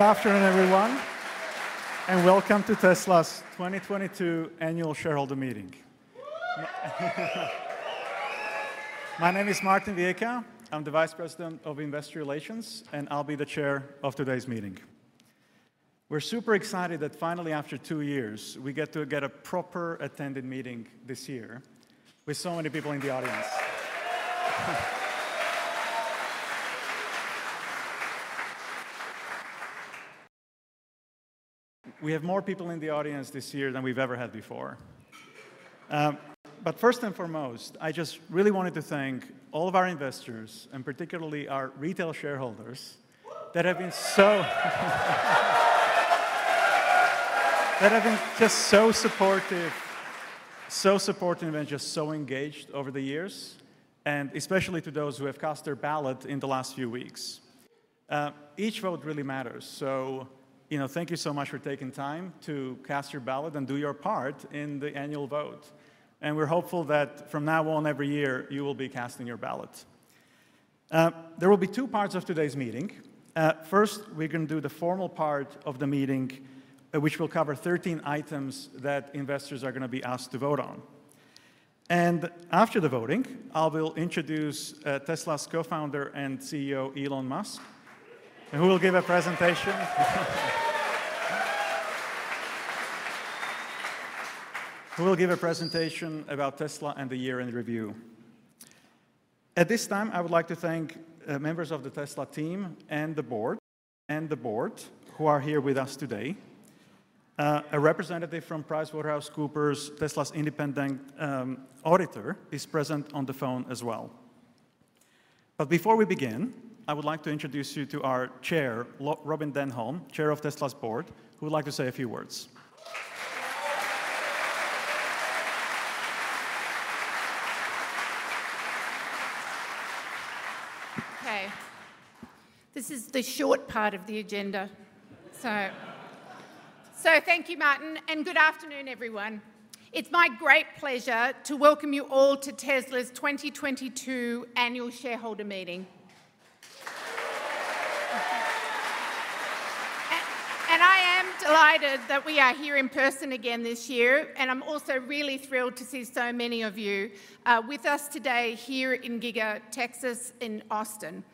Good afternoon, everyone, and welcome to Tesla's 2022 annual shareholder meeting. My name is Martin Viecha. I'm the Vice President of Investor Relations, and I'll be the Chair of today's meeting. We're super excited that finally after two years, we get to get a properly attended meeting this year with so many people in the audience. We have more people in the audience this year than we've ever had before. First and foremost, I just really wanted to thank all of our investors, and particularly our retail shareholders that have been just so supportive and just so engaged over the years, and especially to those who have cast their ballot in the last few weeks. Each vote really matters, so, you know, thank you so much for taking time to cast your ballot and do your part in the annual vote. We're hopeful that from now on every year you will be casting your ballot. There will be two parts of today's meeting. First, we're gonna do the formal part of the meeting, which will cover 13 items that investors are gonna be asked to vote on. After the voting, I will introduce Tesla's co-founder and CEO, Elon Musk, who will give a presentation about Tesla and the year in review. At this time, I would like to thank members of the Tesla team and the board who are here with us today. A representative from PricewaterhouseCoopers, Tesla's independent auditor, is present on the phone as well. Before we begin, I would like to introduce you to our chair, Robyn Denholm, chair of Tesla's board, who would like to say a few words. Okay. This is the short part of the agenda. Thank you, Martin, and good afternoon, everyone. It's my great pleasure to welcome you all to Tesla's 2022 annual shareholder meeting. I am delighted that we are here in person again this year, and I'm also really thrilled to see so many of you with us today here in Giga Texas in Austin.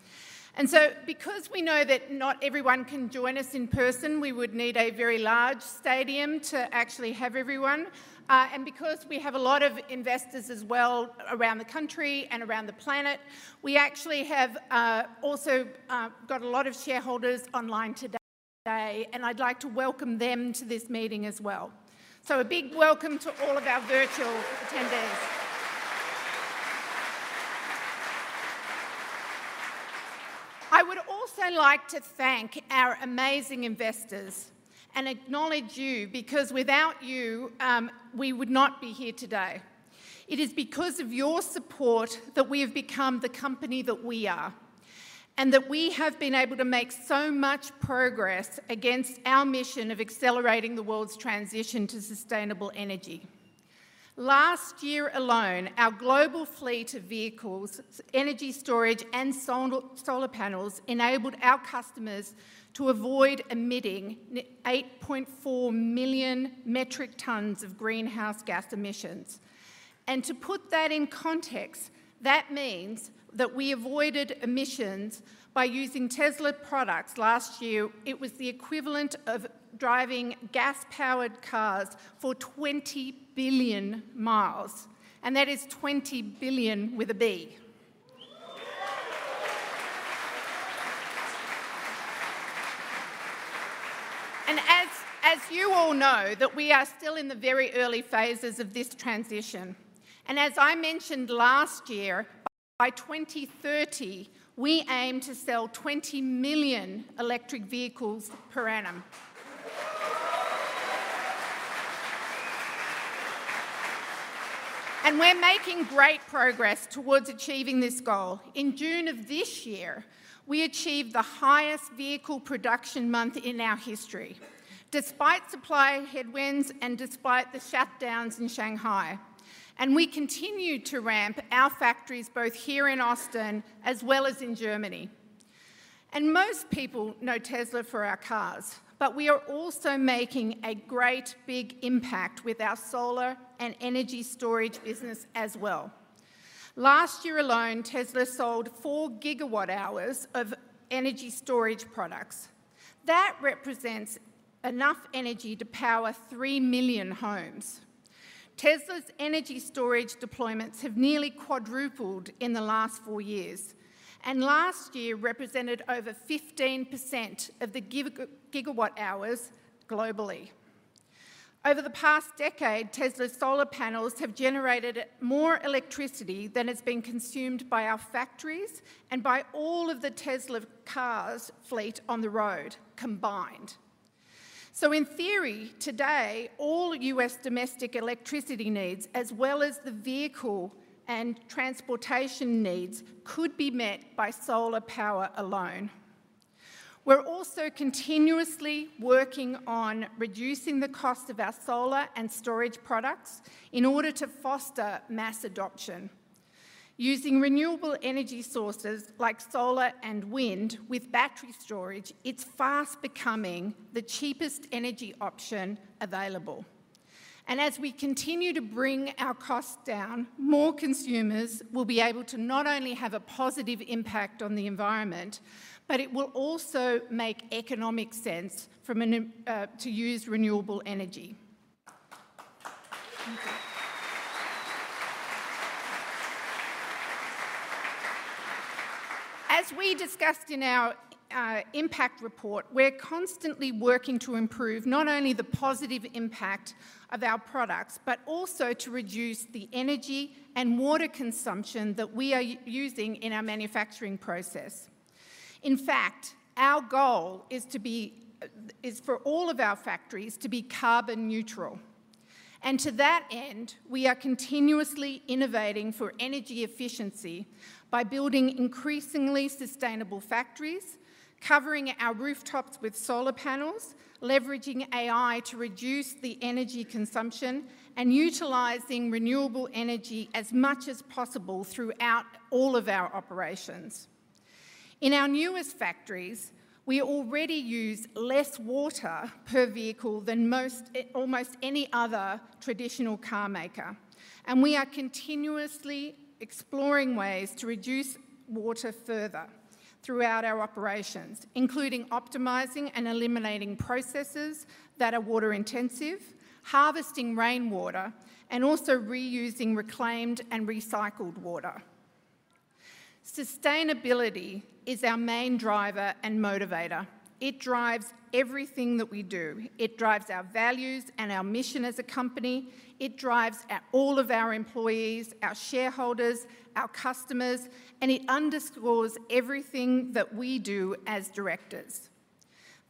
Because we know that not everyone can join us in person, we would need a very large stadium to actually have everyone, and because we have a lot of investors as well around the country and around the planet, we actually have also got a lot of shareholders online today, and I'd like to welcome them to this meeting as well. A big welcome to all of our virtual attendees. I would also like to thank our amazing investors and acknowledge you, because without you, we would not be here today. It is because of your support that we have become the company that we are, and that we have been able to make so much progress against our mission of accelerating the world's transition to sustainable energy. Last year alone, our global fleet of vehicles, energy storage, and solar panels enabled our customers to avoid emitting 8.4 million metric tons of greenhouse gas emissions. To put that in context, that means that we avoided emissions by using Tesla products last year, it was the equivalent of driving gas-powered cars for 20 billion miles, and that is 20 billion with a B. As you all know, that we are still in the very early phases of this transition. As I mentioned last year, by 2030, we aim to sell 20 million electric vehicles per annum. We're making great progress towards achieving this goal. In June of this year, we achieved the highest vehicle production month in our history, despite supply headwinds and despite the shutdowns in Shanghai. We continue to ramp our factories both here in Austin as well as in Germany. Most people know Tesla for our cars, but we are also making a great big impact with our solar and energy storage business as well. Last year alone, Tesla sold 4 GW hours of energy storage products. That represents enough energy to power 3 million homes. Tesla's energy storage deployments have nearly quadrupled in the last 4 years, and last year represented over 15% of the gigawatt hours globally. Over the past decade, Tesla's solar panels have generated more electricity than has been consumed by our factories and by all of the Tesla cars fleet on the road combined. In theory, today, all U.S. domestic electricity needs, as well as the vehicle and transportation needs, could be met by solar power alone. We're also continuously working on reducing the cost of our solar and storage products in order to foster mass adoption. Using renewable energy sources like solar and wind with battery storage, it's fast becoming the cheapest energy option available. As we continue to bring our costs down, more consumers will be able to not only have a positive impact on the environment, but it will also make economic sense to use renewable energy. Thank you. As we discussed in our impact report, we're constantly working to improve not only the positive impact of our products, but also to reduce the energy and water consumption that we are using in our manufacturing process. In fact, our goal is for all of our factories to be carbon neutral. To that end, we are continuously innovating for energy efficiency by building increasingly sustainable factories, covering our rooftops with solar panels, leveraging AI to reduce the energy consumption, and utilizing renewable energy as much as possible throughout all of our operations. In our newest factories, we already use less water per vehicle than most almost any other traditional car maker, and we are continuously exploring ways to reduce water further throughout our operations, including optimizing and eliminating processes that are water-intensive, harvesting rainwater, and also reusing reclaimed and recycled water. Sustainability is our main driver and motivator. It drives everything that we do. It drives our values and our mission as a company, it drives all of our employees, our shareholders, our customers, and it underscores everything that we do as directors.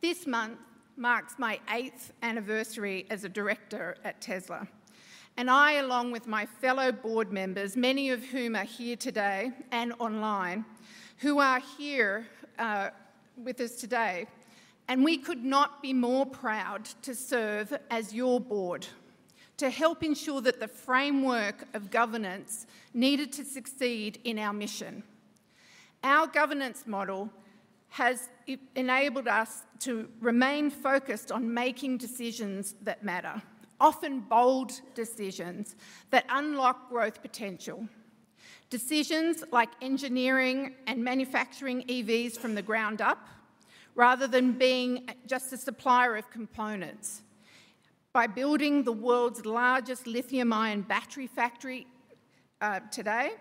This month marks my eighth anniversary as a director at Tesla, and I, along with my fellow board members, many of whom are here today and online with us today, and we could not be more proud to serve as your board to help ensure that the framework of governance needed to succeed in our mission. Our governance model has enabled us to remain focused on making decisions that matter, often bold decisions that unlock growth potential. Decisions like engineering and manufacturing EVs from the ground up, rather than being just a supplier of components. By building the world's largest lithium-ion battery factory today,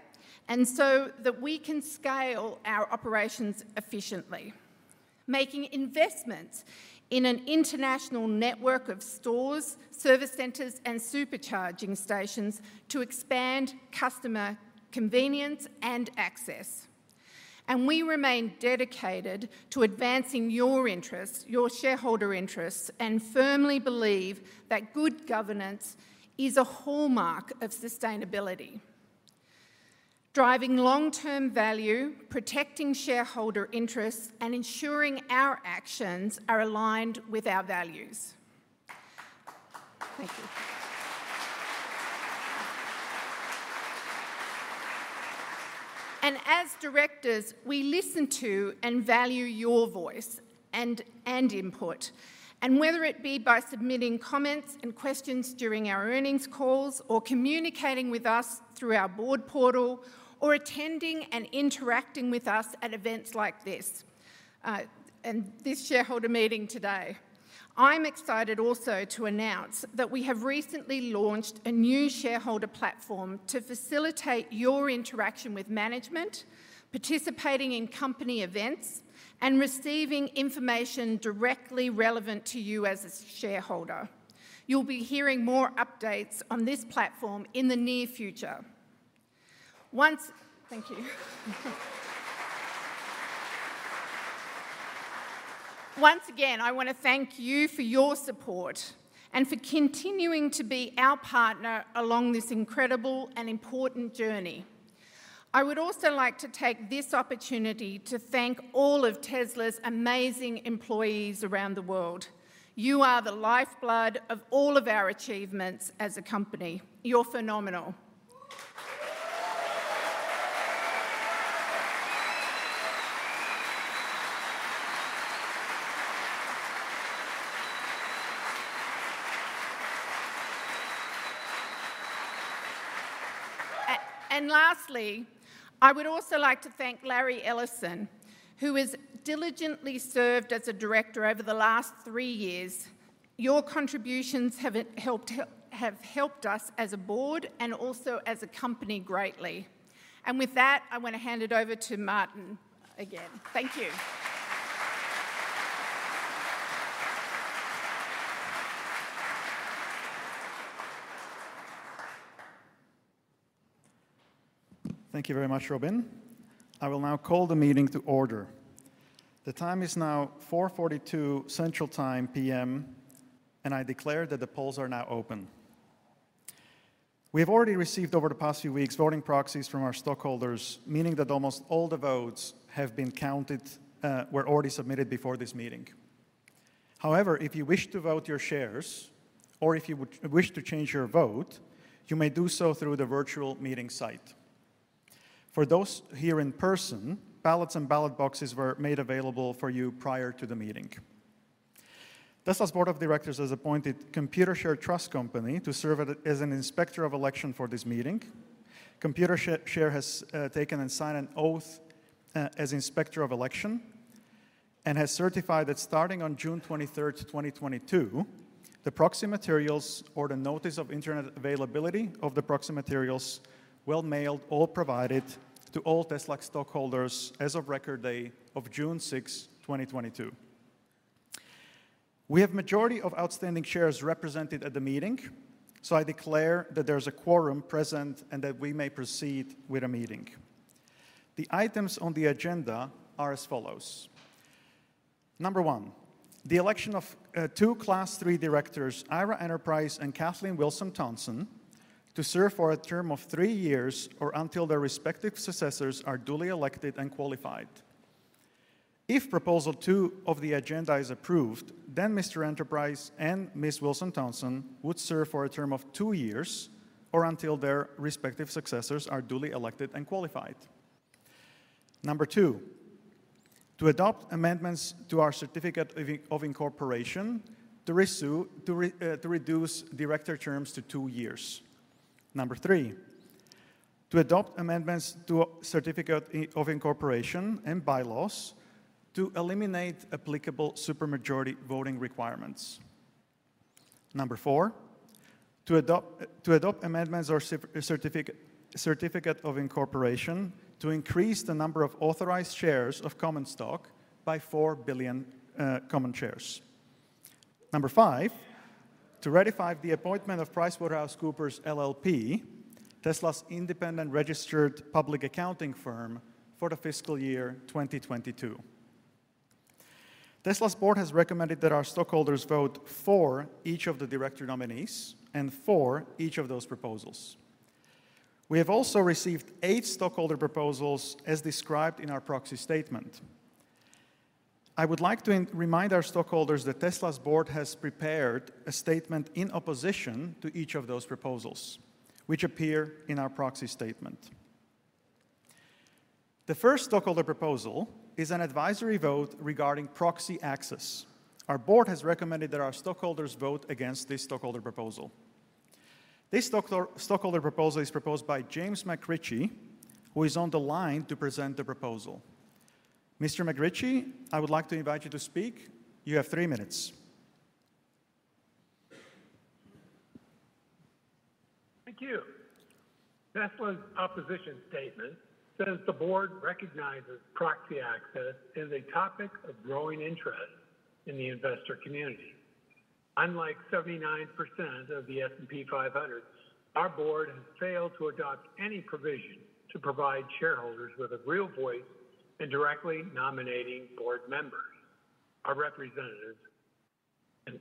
and so that we can scale our operations efficiently. Making investments in an international network of stores, service centers, and supercharging stations to expand customer convenience and access. We remain dedicated to advancing your interests, your shareholder interests, and firmly believe that good governance is a hallmark of sustainability, driving long-term value, protecting shareholder interests, and ensuring our actions are aligned with our values. Thank you. As directors, we listen to and value your voice and input, and whether it be by submitting comments and questions during our earnings calls or communicating with us through our board portal or attending and interacting with us at events like this and this shareholder meeting today. I'm excited also to announce that we have recently launched a new shareholder platform to facilitate your interaction with management, participating in company events, and receiving information directly relevant to you as a shareholder. You'll be hearing more updates on this platform in the near future. Once again, I wanna thank you for your support and for continuing to be our partner along this incredible and important journey. I would also like to take this opportunity to thank all of Tesla's amazing employees around the world. You are the lifeblood of all of our achievements as a company. You're phenomenal. And lastly, I would also like to thank Larry Ellison, who has diligently served as a director over the last three years. Your contributions have helped us as a board and also as a company greatly. With that, I wanna hand it over to Martin again. Thank you. Thank you very much, Robyn. I will now call the meeting to order. The time is now 4:42 P.M. Central Time, and I declare that the polls are now open. We have already received over the past few weeks voting proxies from our stockholders, meaning that almost all the votes have been counted, were already submitted before this meeting. However, if you wish to vote your shares or if you would wish to change your vote, you may do so through the virtual meeting site. For those here in person, ballots and ballot boxes were made available for you prior to the meeting. Tesla's board of directors has appointed Computershare Trust Company to serve as an inspector of election for this meeting. Computershare has taken and signed an oath as inspector of election and has certified that starting on June 23rd, 2022, the proxy materials or the notice of internet availability of the proxy materials were mailed or provided to all Tesla stockholders as of record day of June 6, 2022. We have majority of outstanding shares represented at the meeting, so I declare that there's a quorum present and that we may proceed with the meeting. The items on the agenda are as follows. Number one, the election of two class three directors, Ira Ehrenpreis and Kathleen Wilson-Thompson, to serve for a term of three years or until their respective successors are duly elected and qualified. If proposal two of the agenda is approved, then Mr. Ehrenpreis and Ms. Wilson-Thompson would serve for a term of two years or until their respective successors are duly elected and qualified. Number 2, to adopt amendments to our certificate of incorporation to reduce director terms to two years. Number 3, to adopt amendments to a certificate of incorporation and bylaws to eliminate applicable super majority voting requirements. Number 4, to adopt amendments to certificate of incorporation to increase the number of authorized shares of common stock by 4 billion common shares. Number 5, to ratify the appointment of PricewaterhouseCoopers LLP, Tesla's independent registered public accounting firm for the fiscal year 2022. Tesla's board has recommended that our stockholders vote for each of the director nominees and for each of those proposals. We have also received 8 stockholder proposals as described in our proxy statement. I would like to remind our stockholders that Tesla's board has prepared a statement in opposition to each of those proposals, which appear in our proxy statement. The first stockholder proposal is an advisory vote regarding proxy access. Our board has recommended that our stockholders vote against this stockholder proposal. This stockholder proposal is proposed by James McRitchie, who is on the line to present the proposal. Mr. McRitchie, I would like to invite you to speak. You have three minutes. Thank you. Tesla's opposition statement says the board recognizes proxy access is a topic of growing interest in the investor community. Unlike 79% of the S&P 500, our board has failed to adopt any provision to provide shareholders with a real voice in directly nominating board members or representatives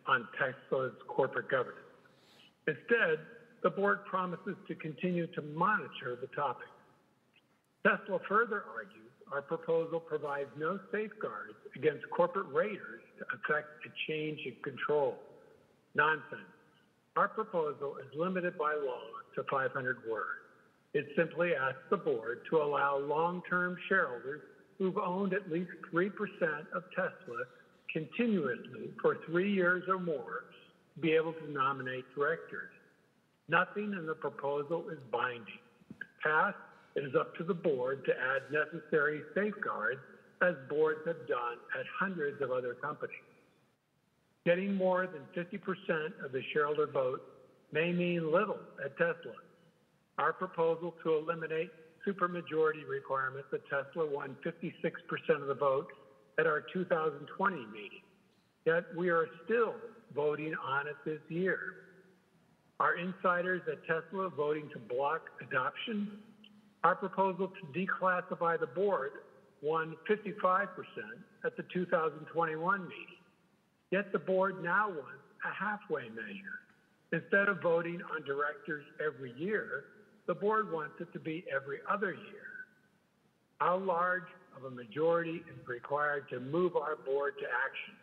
on Tesla's corporate governance. Instead, the board promises to continue to monitor the topic. Tesla further argues our proposal provides no safeguards against corporate raiders to effect a change in control. Nonsense. Our proposal is limited by law to 500 words. It simply asks the board to allow long-term shareholders who've owned at least 3% of Tesla continuously for three years or more to be able to nominate directors. Nothing in the proposal is binding. If passed, it is up to the board to add necessary safeguards as boards have done at hundreds of other companies. Getting more than 50% of the shareholder vote may mean little at Tesla. Our proposal to eliminate super majority requirements at Tesla won 56% of the vote at our 2020 meeting, yet we are still voting on it this year. Are insiders at Tesla voting to block adoption? Our proposal to declassify the board won 55% at the 2021 meeting, yet the board now wants a halfway measure. Instead of voting on directors every year, the board wants it to be every other year. How large of a majority is required to move our board to action?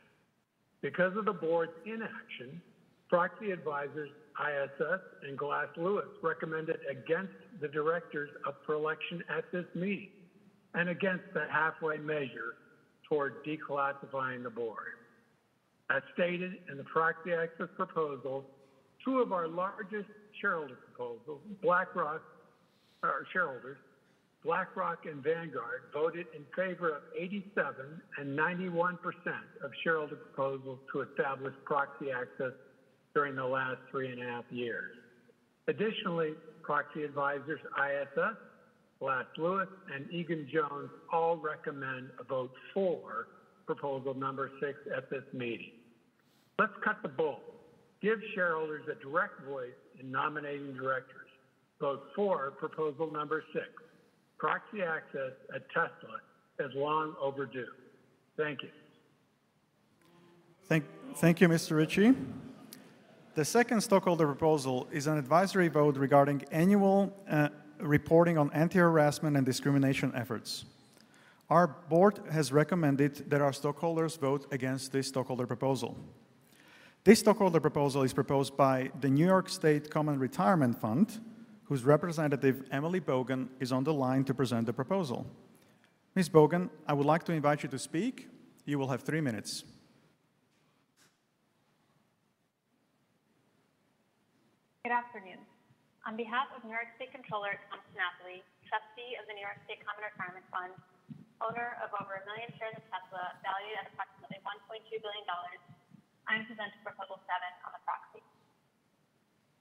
Because of the board's inaction, proxy advisors ISS and Glass Lewis recommended against the directors up for election at this meeting and against the halfway measure toward declassifying the board. As stated in the proxy access proposal, two of our largest shareholders, BlackRock and Vanguard, voted in favor of 87% and 91% of shareholder proposals to establish proxy access during the last three and a half years. Additionally, proxy advisors ISS, Glass Lewis, and Egan-Jones all recommend a vote for proposal number 6 at this meeting. Let's cut the bull. Give shareholders a direct voice in nominating directors. Vote for proposal number 6. Proxy access at Tesla is long overdue. Thank you. Thank you, Mr. McRitchie. The second stockholder proposal is an advisory vote regarding annual reporting on anti-harassment and discrimination efforts. Our board has recommended that our stockholders vote against this stockholder proposal. This stockholder proposal is proposed by the New York State Common Retirement Fund, whose representative, Emily Bogan, is on the line to present the proposal. Ms. Bogan, I would like to invite you to speak. You will have three minutes. Good afternoon. On behalf of New York State Comptroller Thomas DiNapoli, Trustee of the New York State Common Retirement Fund, owner of over a million shares of Tesla valued at approximately $1.2 billion, I'm presenting proposal seven on the proxy.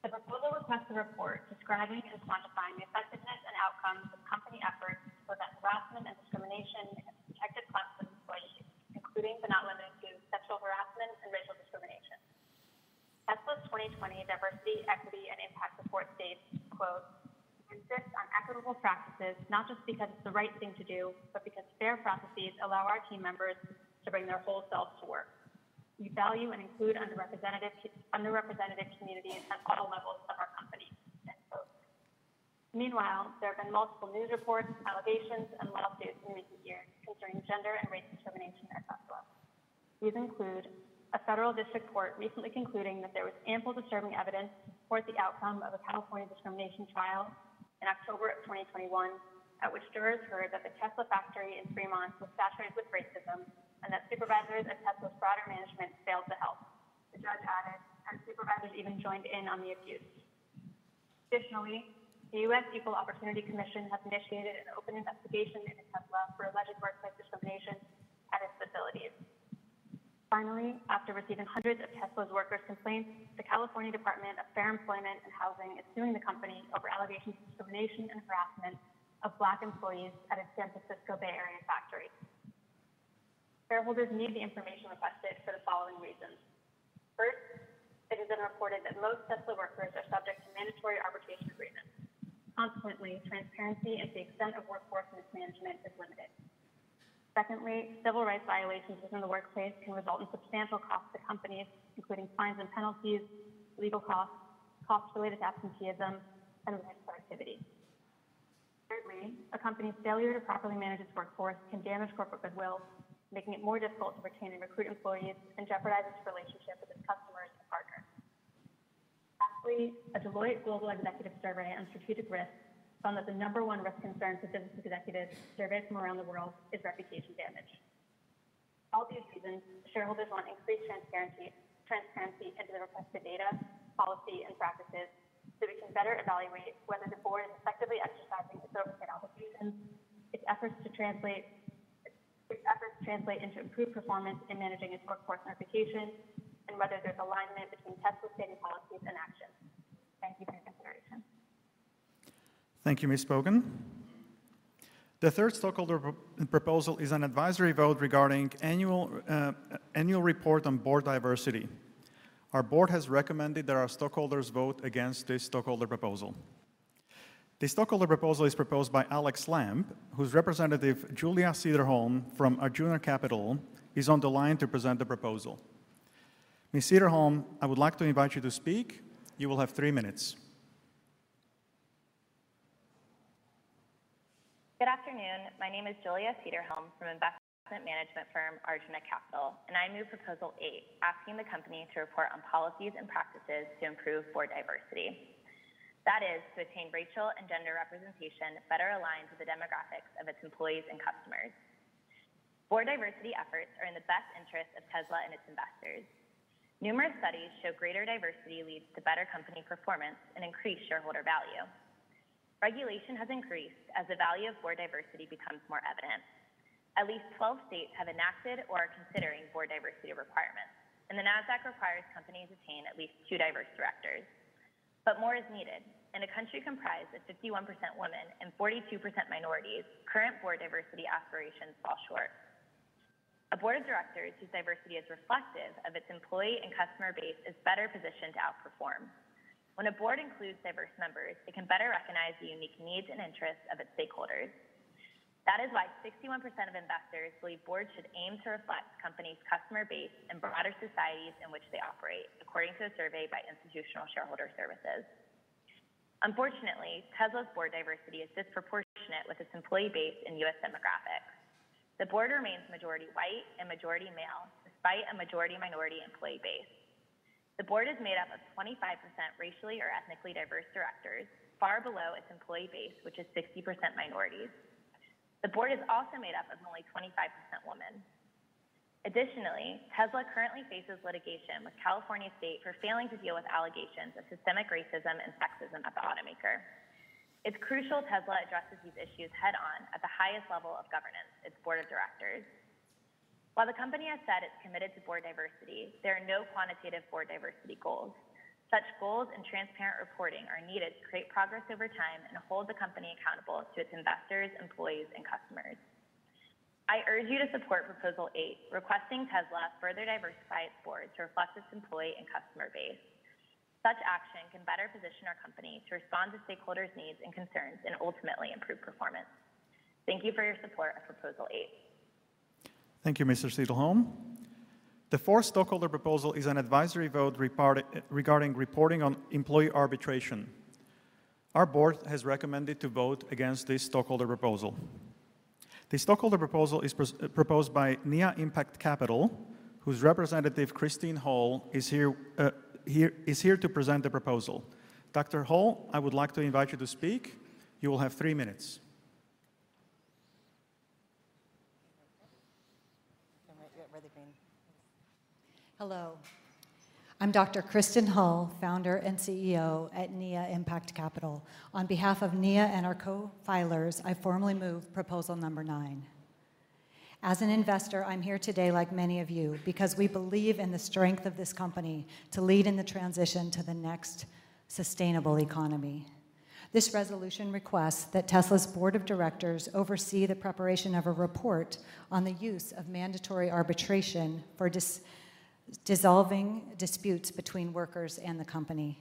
The proposal requests a report describing and quantifying the effectiveness and outcomes of company efforts to prevent harassment and discrimination of protected classes of employees, including but not limited to sexual harassment and racial discrimination. Tesla's 2020 diversity, equity, and impact report states, quote, "We insist on equitable practices, not just because it's the right thing to do, but because fair processes allow our team members to bring their whole selves to work. We value and include underrepresentative, underrepresented communities at all levels of our company." End quote. Meanwhile, there have been multiple news reports, allegations, and lawsuits in recent years concerning gender and race discrimination at Tesla. These include a federal district court recently concluding that there was ample disturbing evidence toward the outcome of a California discrimination trial in October 2021, at which jurors heard that the Tesla factory in Fremont was saturated with racism and that supervisors and Tesla's broader management failed to help. The judge added, "And supervisors even joined in on the abuse." Additionally, the U.S. Equal Employment Opportunity Commission has initiated an open investigation into Tesla for alleged workplace discrimination at its facilities. Finally, after receiving hundreds of Tesla's workers' complaints, the California Department of Fair Employment and Housing is suing the company over allegations of discrimination and harassment of Black employees at a San Francisco Bay Area factory. Shareholders need the information requested for the following reasons. First, it has been reported that most Tesla workers are subject to mandatory arbitration agreements. Consequently, transparency into the extent of workforce mismanagement is limited. Secondly, civil rights violations within the workplace can result in substantial costs to companies, including fines and penalties, legal costs related to absenteeism, and reduced productivity. Thirdly, a company's failure to properly manage its workforce can damage corporate goodwill, making it more difficult to retain and recruit employees and jeopardize its relationship with its customers and partners. Lastly, a Deloitte Global Executive survey on strategic risk found that the number one risk concern for business executives surveyed from around the world is reputation damage. For all these reasons, shareholders want increased transparency into the requested data, policy, and practices, so we can better evaluate whether the board is effectively exercising its oversight obligations, these efforts translate into improved performance in managing its workforce and reputation, and whether there's alignment between Tesla's stated policies and actions. Thank you for your consideration. Thank you, Ms. Bogan. The third stockholder proposal is an advisory vote regarding annual report on board diversity. Our board has recommended that our stockholders vote against this stockholder proposal. This stockholder proposal is proposed by Alex Lamb, whose representative, Julia Cederholm from Arjuna Capital, is on the line to present the proposal. Ms. Cederholm, I would like to invite you to speak. You will have three minutes. Good afternoon. My name is Julia Cederholm from investment management firm Arjuna Capital, and I move proposal eight, asking the company to report on policies and practices to improve board diversity. That is, to attain racial and gender representation better aligned to the demographics of its employees and customers. Board diversity efforts are in the best interest of Tesla and its investors. Numerous studies show greater diversity leads to better company performance and increased shareholder value. Regulation has increased as the value of board diversity becomes more evident. At least 12 states have enacted or are considering board diversity requirements, and the Nasdaq requires companies attain at least two diverse directors. More is needed. In a country comprised of 51% women and 42% minorities, current board diversity aspirations fall short. A board of directors whose diversity is reflective of its employee and customer base is better positioned to outperform. When a board includes diverse members, it can better recognize the unique needs and interests of its stakeholders. That is why 61% of investors believe boards should aim to reflect companies' customer base and broader societies in which they operate, according to a survey by Institutional Shareholder Services. Unfortunately, Tesla's board diversity is disproportionate with its employee base and US demographics. The board remains majority white and majority male, despite a majority minority employee base. The board is made up of 25% racially or ethnically diverse directors, far below its employee base, which is 60% minorities. The board is also made up of only 25% women. Additionally, Tesla currently faces litigation with California State for failing to deal with allegations of systemic racism and sexism at the automaker. It's crucial Tesla addresses these issues head-on at the highest level of governance, its board of directors. While the company has said it's committed to board diversity, there are no quantitative board diversity goals. Such goals and transparent reporting are needed to create progress over time and hold the company accountable to its investors, employees, and customers. I urge you to support Proposal 8, requesting Tesla further diversify its board to reflect its employee and customer base. Such action can better position our company to respond to stakeholders' needs and concerns and ultimately improve performance. Thank you for your support of Proposal 8. Thank you, Ms. Cederholm. The fourth stockholder proposal is an advisory vote report regarding reporting on employee arbitration. Our board has recommended to vote against this stockholder proposal. This stockholder proposal is proposed by Nia Impact Capital, whose representative, Kristin Hull, is here to present the proposal. Dr. Hull, I would like to invite you to speak. You will have three minutes. Hello, I'm Dr. Kristin Hull, founder and CEO at Nia Impact Capital. On behalf of Nia and our co-filers, I formally move proposal number 9. As an investor, I'm here today, like many of you, because we believe in the strength of this company to lead in the transition to the next sustainable economy. This resolution requests that Tesla's board of directors oversee the preparation of a report on the use of mandatory arbitration for resolving disputes between workers and the company.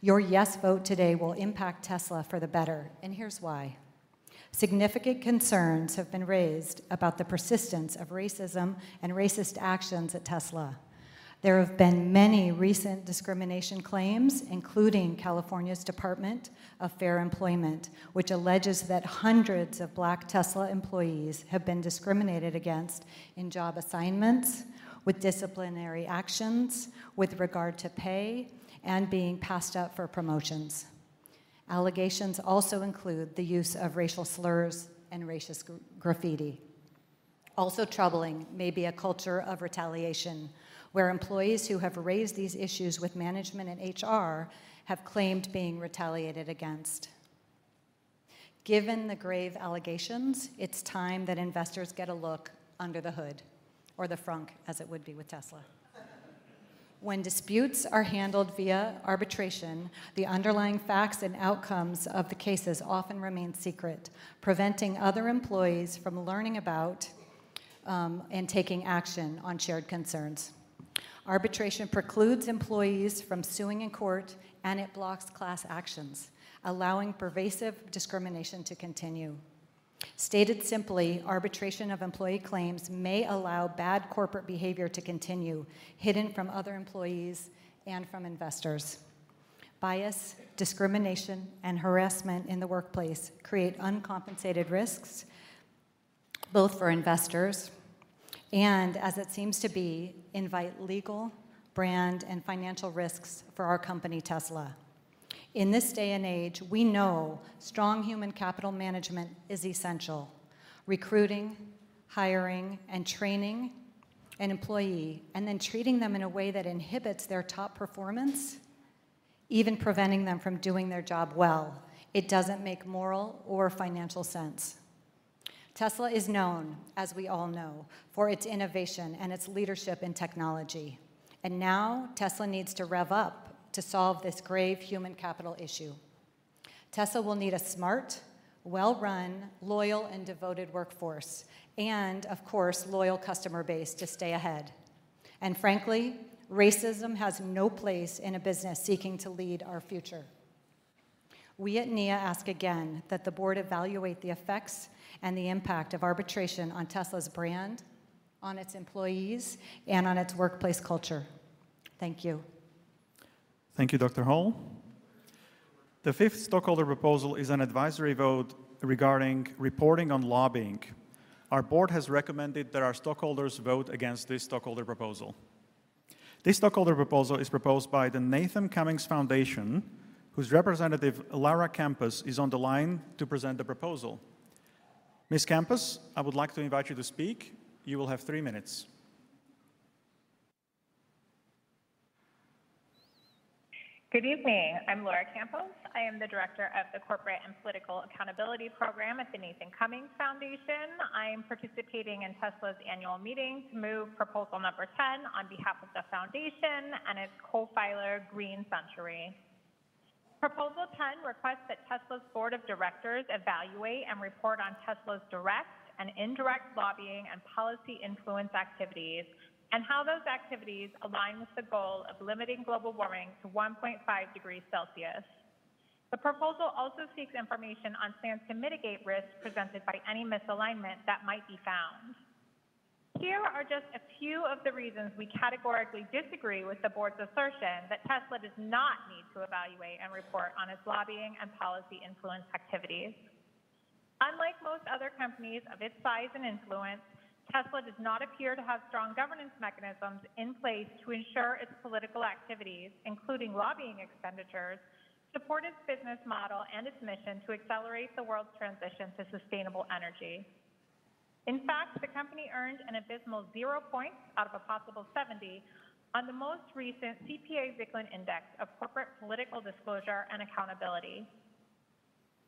Your yes vote today will impact Tesla for the better, and here's why. Significant concerns have been raised about the persistence of racism and racist actions at Tesla. There have been many recent discrimination claims, including California Department of Fair Employment and Housing, which alleges that hundreds of Black Tesla employees have been discriminated against in job assignments, with disciplinary actions, with regard to pay, and being passed up for promotions. Allegations also include the use of racial slurs and racist graffiti. Also troubling may be a culture of retaliation, where employees who have raised these issues with management and HR have claimed being retaliated against. Given the grave allegations, it's time that investors get a look under the hood or the frunk as it would be with Tesla. When disputes are handled via arbitration, the underlying facts and outcomes of the cases often remain secret, preventing other employees from learning about, and taking action on shared concerns. Arbitration precludes employees from suing in court, and it blocks class actions, allowing pervasive discrimination to continue. Stated simply, arbitration of employee claims may allow bad corporate behavior to continue hidden from other employees and from investors. Bias, discrimination, and harassment in the workplace create uncompensated risks both for investors and, as it seems to be, invite legal, brand, and financial risks for our company, Tesla. In this day and age, we know strong human capital management is essential. Recruiting, hiring, and training an employee and then treating them in a way that inhibits their top performance, even preventing them from doing their job well, it doesn't make moral or financial sense. Tesla is known, as we all know, for its innovation and its leadership in technology, and now Tesla needs to rev up to solve this grave human capital issue. Tesla will need a smart, well-run, loyal, and devoted workforce and, of course, loyal customer base to stay ahead. Frankly, racism has no place in a business seeking to lead our future. We at Nia ask again that the board evaluate the effects and the impact of arbitration on Tesla's brand, on its employees, and on its workplace culture. Thank you. Thank you, Dr. Hull. The fifth stockholder proposal is an advisory vote regarding reporting on lobbying. Our board has recommended that our stockholders vote against this stockholder proposal. This stockholder proposal is proposed by the Nathan Cummings Foundation, whose representative, Laura Campos, is on the line to present the proposal. Ms. Campos, I would like to invite you to speak. You will have three minutes. Good evening. I'm Laura Campos. I am the director of the Corporate and Political Accountability Program at the Nathan Cummings Foundation. I'm participating in Tesla's annual meeting to move proposal number 10 on behalf of the foundation and its co-filer, Green Century. Proposal 10 requests that Tesla's board of directors evaluate and report on Tesla's direct and indirect lobbying and policy influence activities and how those activities align with the goal of limiting global warming to 1.5 degrees Celsius. The proposal also seeks information on plans to mitigate risks presented by any misalignment that might be found. Here are just a few of the reasons we categorically disagree with the board's assertion that Tesla does not need to evaluate and report on its lobbying and policy influence activities. Unlike most other companies of its size and influence, Tesla does not appear to have strong governance mechanisms in place to ensure its political activities, including lobbying expenditures, support its business model and its mission to accelerate the world's transition to sustainable energy. In fact, the company earned an abysmal zero points out of a possible 70 on the most recent CPA-Zicklin Index of Corporate Political Disclosure and Accountability.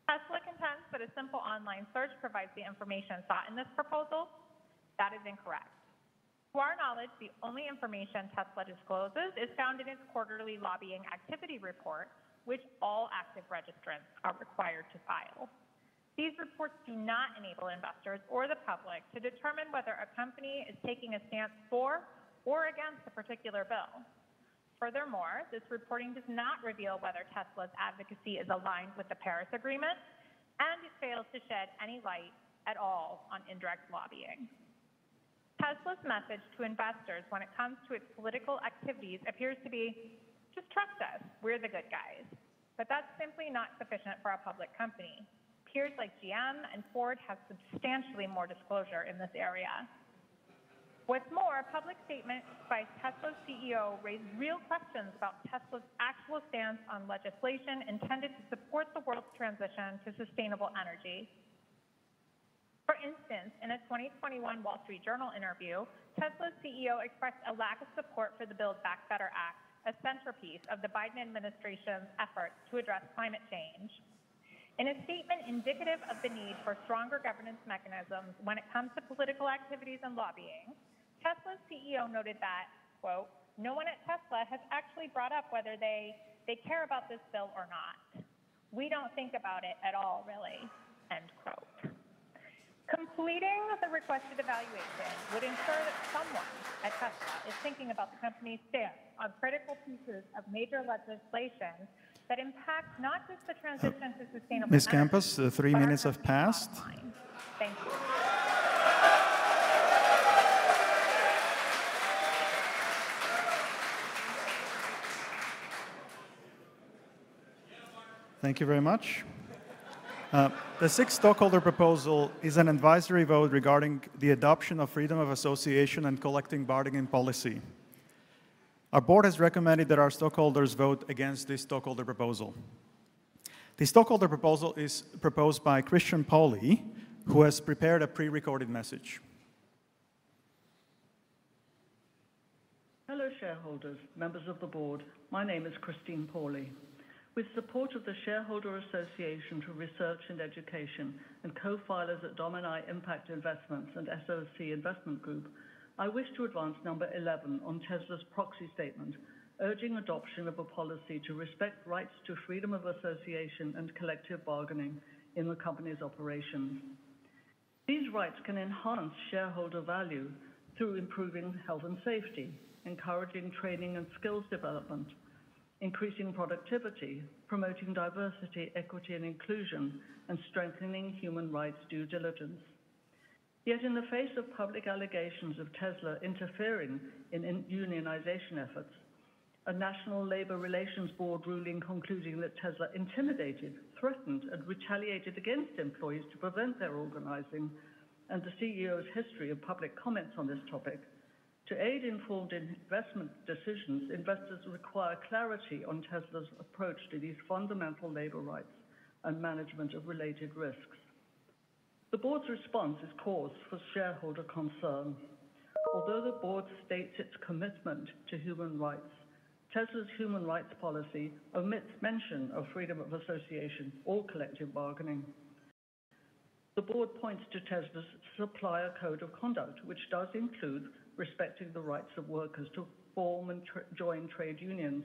Tesla contends that a simple online search provides the information sought in this proposal. That is incorrect. To our knowledge, the only information Tesla discloses is found in its quarterly lobbying activity report, which all active registrants are required to file. These reports do not enable investors or the public to determine whether a company is taking a stance for or against a particular bill. Furthermore, this reporting does not reveal whether Tesla's advocacy is aligned with the Paris Agreement, and it fails to shed any light at all on indirect lobbying. Tesla's message to investors when it comes to its political activities appears to be, "Just trust us. We're the good guys." That's simply not sufficient for a public company. Peers like GM and Ford have substantially more disclosure in this area. What's more, public statements by Tesla's CEO raise real questions about Tesla's actual stance on legislation intended to support the world's transition to sustainable energy. For instance, in a 2021 The Wall Street Journal interview, Tesla's CEO expressed a lack of support for the Build Back Better Act, a centerpiece of the Biden administration's efforts to address climate change. In a statement indicative of the need for stronger governance mechanisms when it comes to political activities and lobbying, Tesla's CEO noted that, quote, "No one at Tesla has actually brought up whether they care about this bill or not. We don't think about it at all, really." End quote. Completing the requested evaluation would ensure that someone at Tesla is thinking about the company's stance on critical pieces of major legislation that impact not just the transition to sustainable energy- Ms. Campos, the three minutes have passed. Thank you. Thank you very much. The sixth stockholder proposal is an advisory vote regarding the adoption of freedom of association and collective bargaining policy. Our board has recommended that our stockholders vote against this stockholder proposal. The stockholder proposal is proposed by Christine Pauly, who has prepared a pre-recorded message. Hello, shareholders, members of the board. My name is Christine Pauly. With support of the Shareholder Association for Research and Education and co-filers at Domini Impact Investments and SOC Investment Group, I wish to advance number 11 on Tesla's proxy statement, urging adoption of a policy to respect rights to freedom of association and collective bargaining in the company's operations. These rights can enhance shareholder value through improving health and safety, encouraging training and skills development, increasing productivity, promoting diversity, equity, and inclusion, and strengthening human rights due diligence. Yet in the face of public allegations of Tesla interfering in unionization efforts, a National Labor Relations Board ruling concluding that Tesla intimidated, threatened, and retaliated against employees to prevent their organizing, and the CEO's history of public comments on this topic, to aid informed investment decisions, investors require clarity on Tesla's approach to these fundamental labor rights and management of related risks. The board's response is cause for shareholder concern. Although the board states its commitment to human rights, Tesla's human rights policy omits mention of freedom of association or collective bargaining. The board points to Tesla's supplier code of conduct, which does include respecting the rights of workers to form and join trade unions.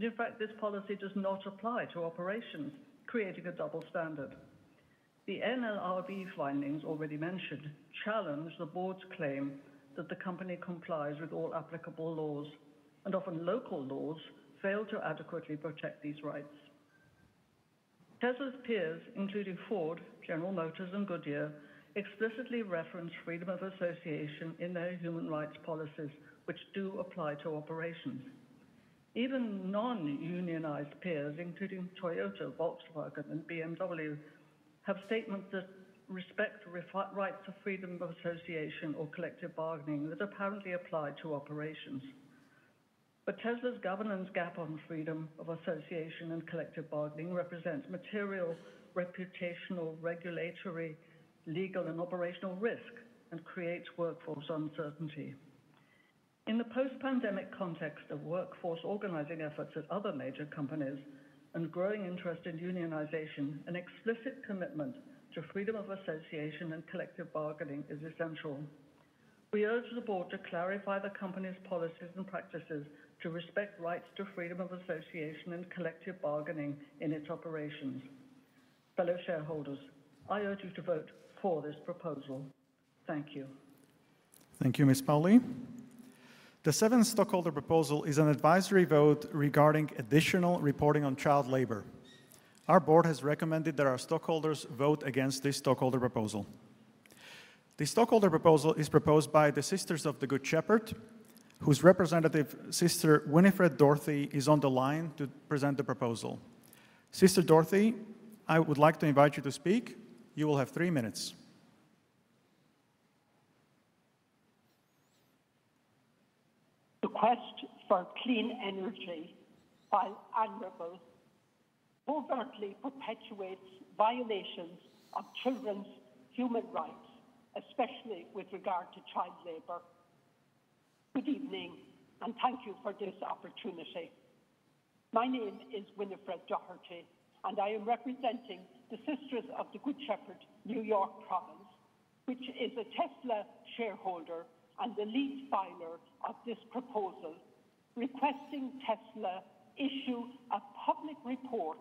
In fact, this policy does not apply to operations, creating a double standard. The NLRB's findings already mentioned challenge the board's claim that the company complies with all applicable laws, and often local laws fail to adequately protect these rights. Tesla's peers, including Ford, General Motors, and Goodyear, explicitly reference freedom of association in their human rights policies, which do apply to operations. Even non-unionized peers, including Toyota, Volkswagen, and BMW, have statements that respect rights of freedom of association or collective bargaining that apparently apply to operations. Tesla's governance gap on freedom of association and collective bargaining represents material, reputational, regulatory, legal, and operational risk and creates workforce uncertainty. In the post-pandemic context of workforce organizing efforts at other major companies and growing interest in unionization, an explicit commitment to freedom of association and collective bargaining is essential. We urge the board to clarify the company's policies and practices to respect rights to freedom of association and collective bargaining in its operations. Fellow shareholders, I urge you to vote for this proposal. Thank you. Thank you, Ms. Pauly. The seventh stockholder proposal is an advisory vote regarding additional reporting on child labor. Our board has recommended that our stockholders vote against this stockholder proposal. The stockholder proposal is proposed by the Sisters of the Good Shepherd, whose representative, Sister Winifred Doherty, is on the line to present the proposal. Sister Doherty, I would like to invite you to speak. You will have three minutes. The quest for clean energy, while admirable, overtly perpetuates violations of children's human rights, especially with regard to child labor. Good evening, and thank you for this opportunity. My name is Winifred Doherty, and I am representing the Sisters of the Good Shepherd, New York Province, which is a Tesla shareholder and the lead filer of this proposal, requesting Tesla issue a public report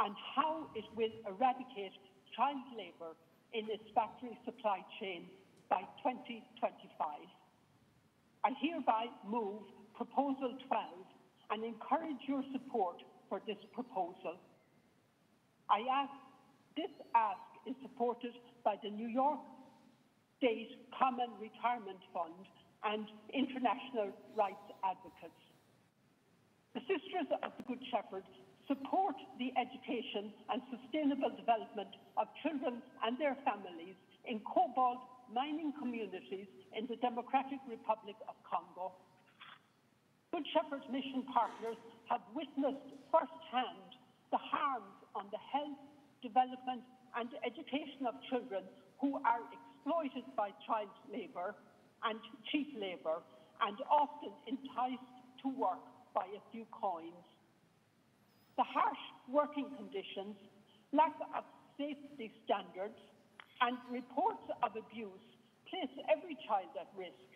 and how it will eradicate child labor in its factory supply chain by 2025. I hereby move proposal 12 and encourage your support for this proposal. I ask. This ask is supported by the New York State Common Retirement Fund and international rights advocates. The Sisters of the Good Shepherd support the education and sustainable development of children and their families in cobalt mining communities in the Democratic Republic of Congo. Good Shepherd mission partners have witnessed firsthand the harms on the health, development, and education of children who are exploited by child labor and cheap labor, and often enticed to work by a few coins. The harsh working conditions, lack of safety standards, and reports of abuse place every child at risk.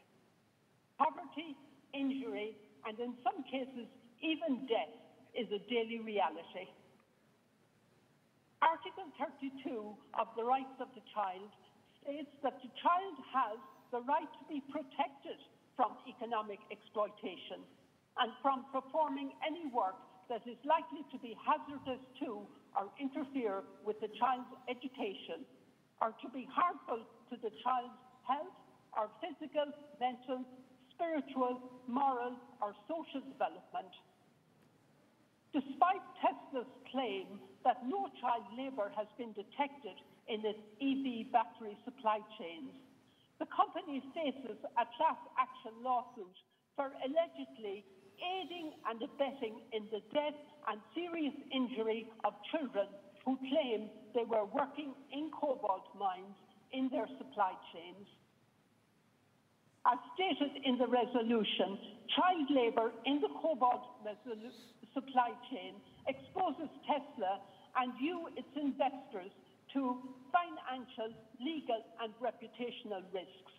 Poverty, injury, and in some cases even death is a daily reality. Article 32 of the Rights of the Child states that the child has the right to be protected from economic exploitation and from performing any work that is likely to be hazardous to or interfere with the child's education, or to be harmful to the child's health or physical, mental, spiritual, moral, or social development. Despite Tesla's claim that no child labor has been detected in its EV battery supply chains, the company faces a class action lawsuit for allegedly aiding and abetting in the death and serious injury of children who claim they were working in cobalt mines in their supply chains. As stated in the resolution, child labor in the cobalt mining supply chain exposes Tesla and you, its investors, to financial, legal, and reputational risks.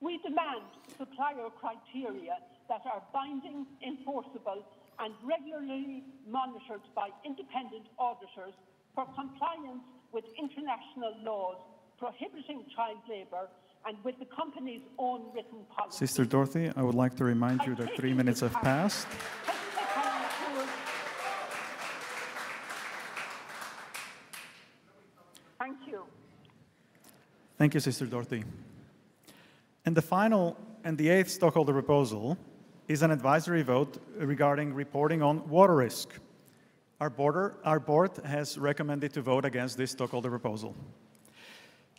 We demand supplier criteria that are binding, enforceable, and regularly monitored by independent auditors for compliance with international laws prohibiting child labor and with the company's own written policy. Sister Winifred Doherty, I would like to remind you that three minutes have passed. Thank you. Thank you, Sister Winifred Doherty. The final and the eighth stockholder proposal is an advisory vote regarding reporting on water risk. Our board has recommended to vote against this stockholder proposal.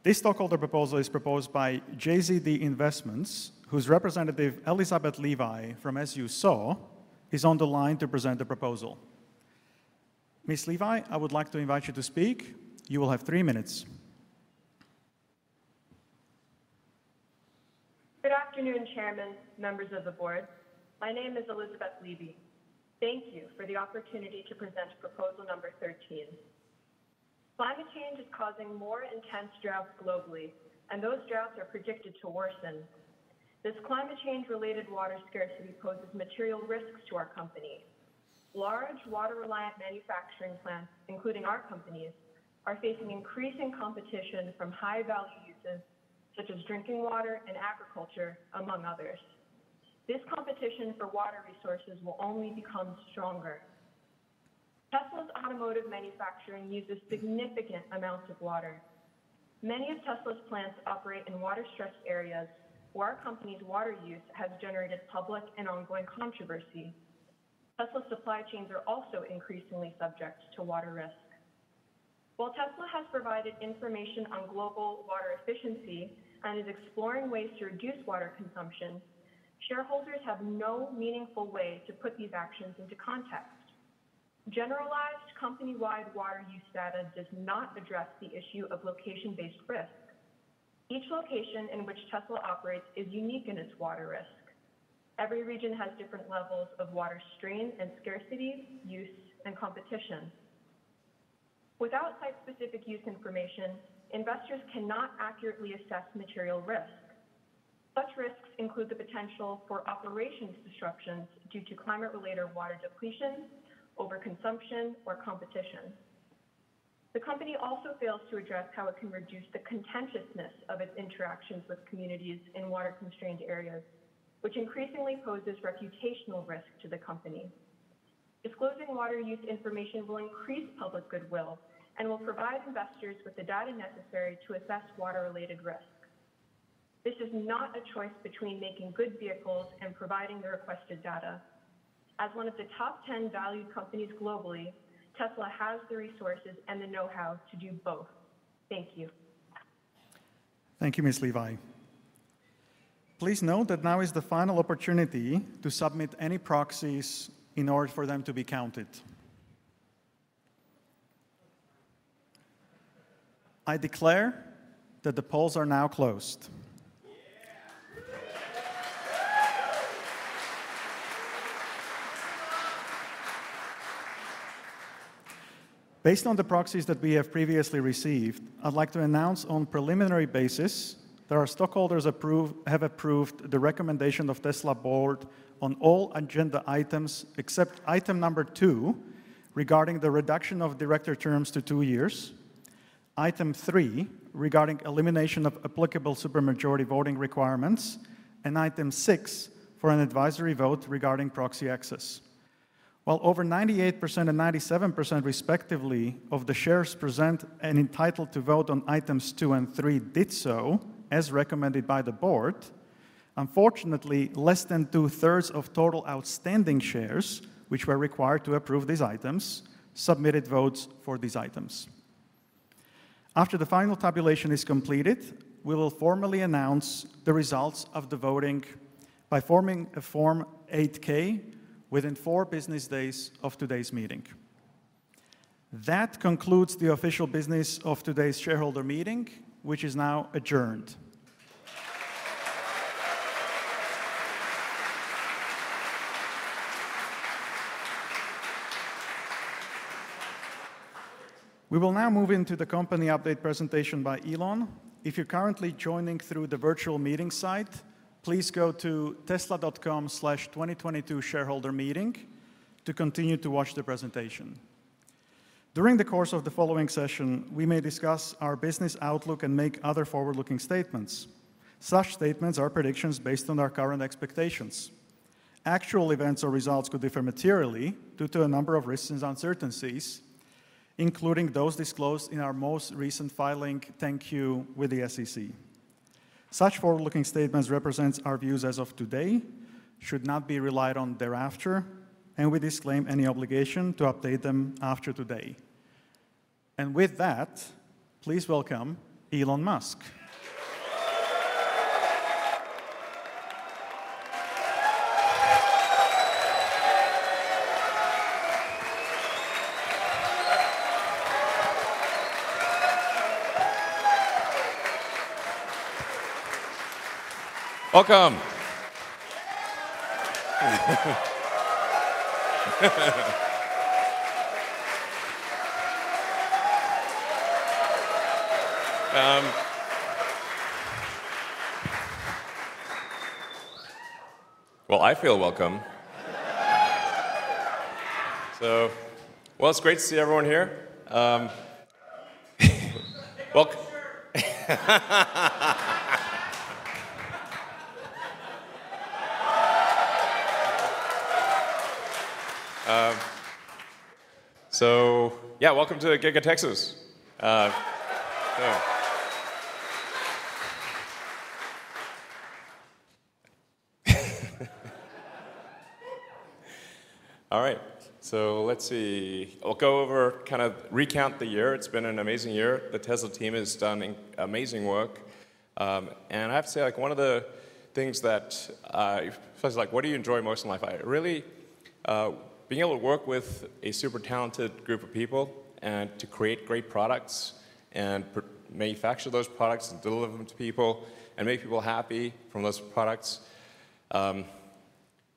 This stockholder proposal is proposed by JZD Investments, whose representative, Elizabeth Levy, from As You Sow, is on the line to present the proposal. Ms. Levy, I would like to invite you to speak. You will have three minutes. Good afternoon, Chairman, members of the board. My name is Elizabeth Levy. Thank you for the opportunity to present proposal number 13. Climate change is causing more intense droughts globally, and those droughts are predicted to worsen. This climate change-related water scarcity poses material risks to our company. Large water-reliant manufacturing plants, including our company's, are facing increasing competition from high-value uses such as drinking water and agriculture, among others. This competition for water resources will only become stronger. Tesla's automotive manufacturing uses significant amounts of water. Many of Tesla's plants operate in water-stressed areas where our company's water use has generated public and ongoing controversy. Tesla's supply chains are also increasingly subject to water risk. While Tesla has provided information on global water efficiency and is exploring ways to reduce water consumption, shareholders have no meaningful way to put these actions into context. Generalized company-wide water use data does not address the issue of location-based risk. Each location in which Tesla operates is unique in its water risk. Every region has different levels of water strain and scarcity, use, and competition. Without site-specific use information, investors cannot accurately assess material risk. Such risks include the potential for operational disruptions due to climate-related water depletion, overconsumption, or competition. The company also fails to address how it can reduce the contentiousness of its interactions with communities in water-constrained areas, which increasingly poses reputational risk to the company. Disclosing water use information will increase public goodwill and will provide investors with the data necessary to assess water-related risk. This is not a choice between making good vehicles and providing the requested data. As one of the top ten valued companies globally, Tesla has the resources and the know-how to do both. Thank you. Thank you, Ms. Levy. Please note that now is the final opportunity to submit any proxies in order for them to be counted. I declare that the polls are now closed. Based on the proxies that we have previously received, I'd like to announce on preliminary basis that our stockholders approve, have approved the recommendation of Tesla board on all agenda items, except item number 2 regarding the reduction of director terms to two years, item 3 regarding elimination of applicable supermajority voting requirements, and item 6 for an advisory vote regarding proxy access. While over 98% and 97% respectively of the shares present and entitled to vote on items 2 and 3 did so, as recommended by the board, unfortunately, less than two-thirds of total outstanding shares, which were required to approve these items, submitted votes for these items. After the final tabulation is completed, we will formally announce the results of the voting by filing a Form 8-K within four business days of today's meeting. That concludes the official business of today's shareholder meeting, which is now adjourned. We will now move into the company update presentation by Elon Musk. If you're currently joining through the virtual meeting site, please go to tesla.com/2022shareholdermeeting to continue to watch the presentation. During the course of the following session, we may discuss our business outlook and make other forward-looking statements. Such statements are predictions based on our current expectations. Actual events or results could differ materially due to a number of risks and uncertainties, including those disclosed in our most recent Form 10-Q filing with the SEC. Such forward-looking statements represents our views as of today, should not be relied on thereafter, and we disclaim any obligation to update them after today. With that, please welcome Elon Musk. Welcome. Well, I feel welcome. Well, it's great to see everyone here. Take off your shirt. Yeah, welcome to Giga Texas. All right, let's see. I'll go over, kind of recount the year. It's been an amazing year. The Tesla team has done amazing work. I have to say, like, one of the things that, 'cause like, what do you enjoy most in life? I really being able to work with a super talented group of people and to create great products and manufacture those products and deliver them to people and make people happy from those products,